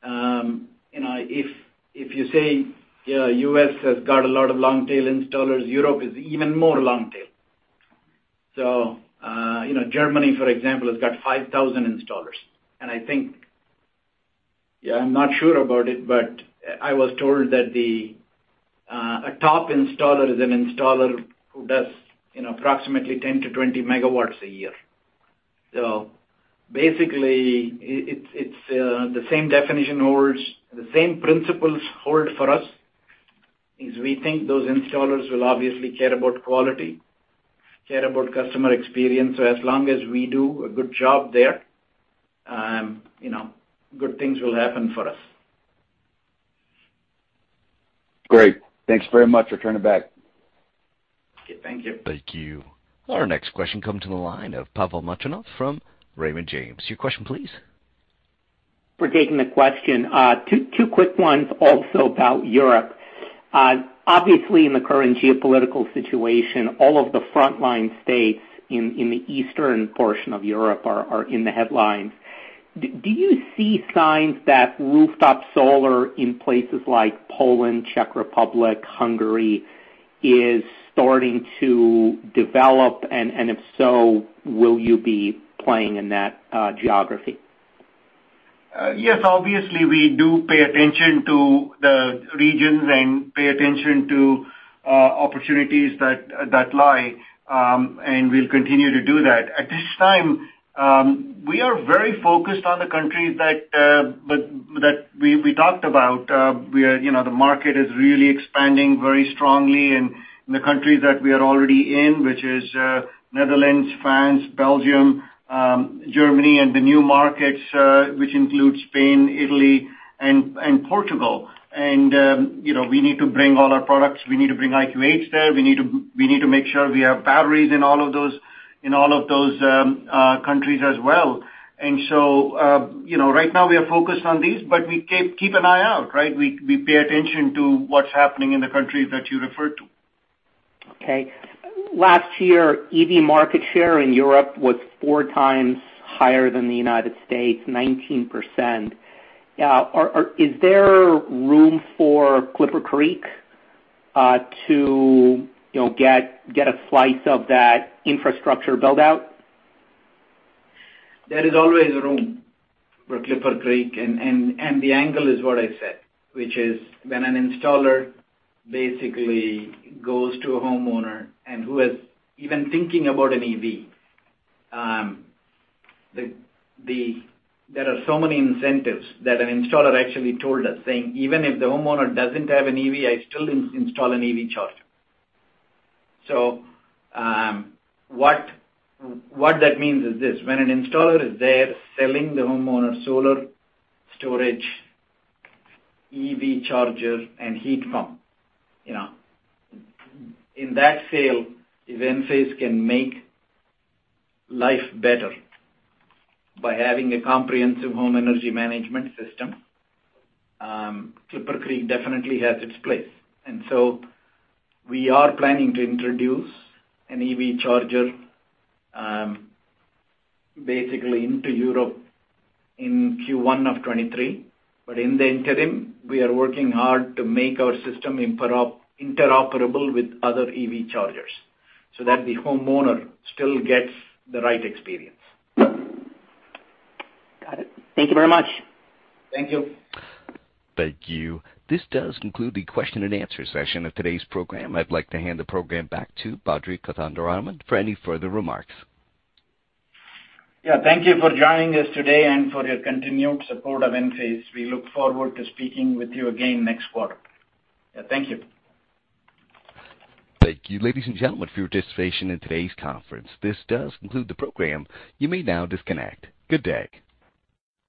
You know, if you say, you know, U.S. has got a lot of long-tail installers, Europe is even more long tail. Germany, for example, has got 5,000 installers. I think, yeah, I'm not sure about it, but I was told that a top installer is an installer who does, you know, approximately 10-20 MW a year. Basically, it's the same definition holds. The same principles hold for us, is we think those installers will obviously care about quality, care about customer experience. As long as we do a good job there, you know, good things will happen for us. Great. Thanks very much. Returning back. Okay. Thank you. Thank you. Our next question comes to the line of Pavel Molchanov from Raymond James. Your question, please. for taking the question. Two quick ones also about Europe. Obviously in the current geopolitical situation, all of the frontline states in the eastern portion of Europe are in the headlines. Do you see signs that rooftop solar in places like Poland, Czech Republic, Hungary is starting to develop? And if so, will you be playing in that geography? Yes. Obviously, we do pay attention to the regions and pay attention to opportunities that lie, and we'll continue to do that. At this time, we are very focused on the countries that we talked about. We are, you know, the market is really expanding very strongly in the countries that we are already in, which are Netherlands, France, Belgium, Germany and the new markets, which include Spain, Italy, and Portugal. You know, we need to bring all our products. We need to bring IQ8 there. We need to make sure we have batteries in all of those countries as well. You know, right now we are focused on these, but we keep an eye out, right? We pay attention to what's happening in the countries that you referred to. Okay. Last year, EV market share in Europe was four times higher than the United States, 19%. Is there room for ClipperCreek to, you know, get a slice of that infrastructure build-out? There is always room for ClipperCreek. The angle is what I said, which is when an installer basically goes to a homeowner who is even thinking about an EV, there are so many incentives that an installer actually told us, saying, "Even if the homeowner doesn't have an EV, I still install an EV charger." What that means is this: when an installer is there selling the homeowner solar storage, EV charger, and heat pump, you know, in that sale, if Enphase can make life better by having a comprehensive home energy management system, ClipperCreek definitely has its place. We are planning to introduce an EV charger basically into Europe in Q1 of 2023. In the interim, we are working hard to make our system interoperable with other EV chargers so that the homeowner still gets the right experience. Got it. Thank you very much. Thank you. Thank you. This does conclude the question-and-answer session of today's program. I'd like to hand the program back to Badri Kothandaraman for any further remarks. Yeah. Thank you for joining us today and for your continued support of Enphase. We look forward to speaking with you again next quarter. Yeah, thank you. Thank you, ladies and gentlemen, for your participation in today's conference. This does conclude the program. You may now disconnect. Good day.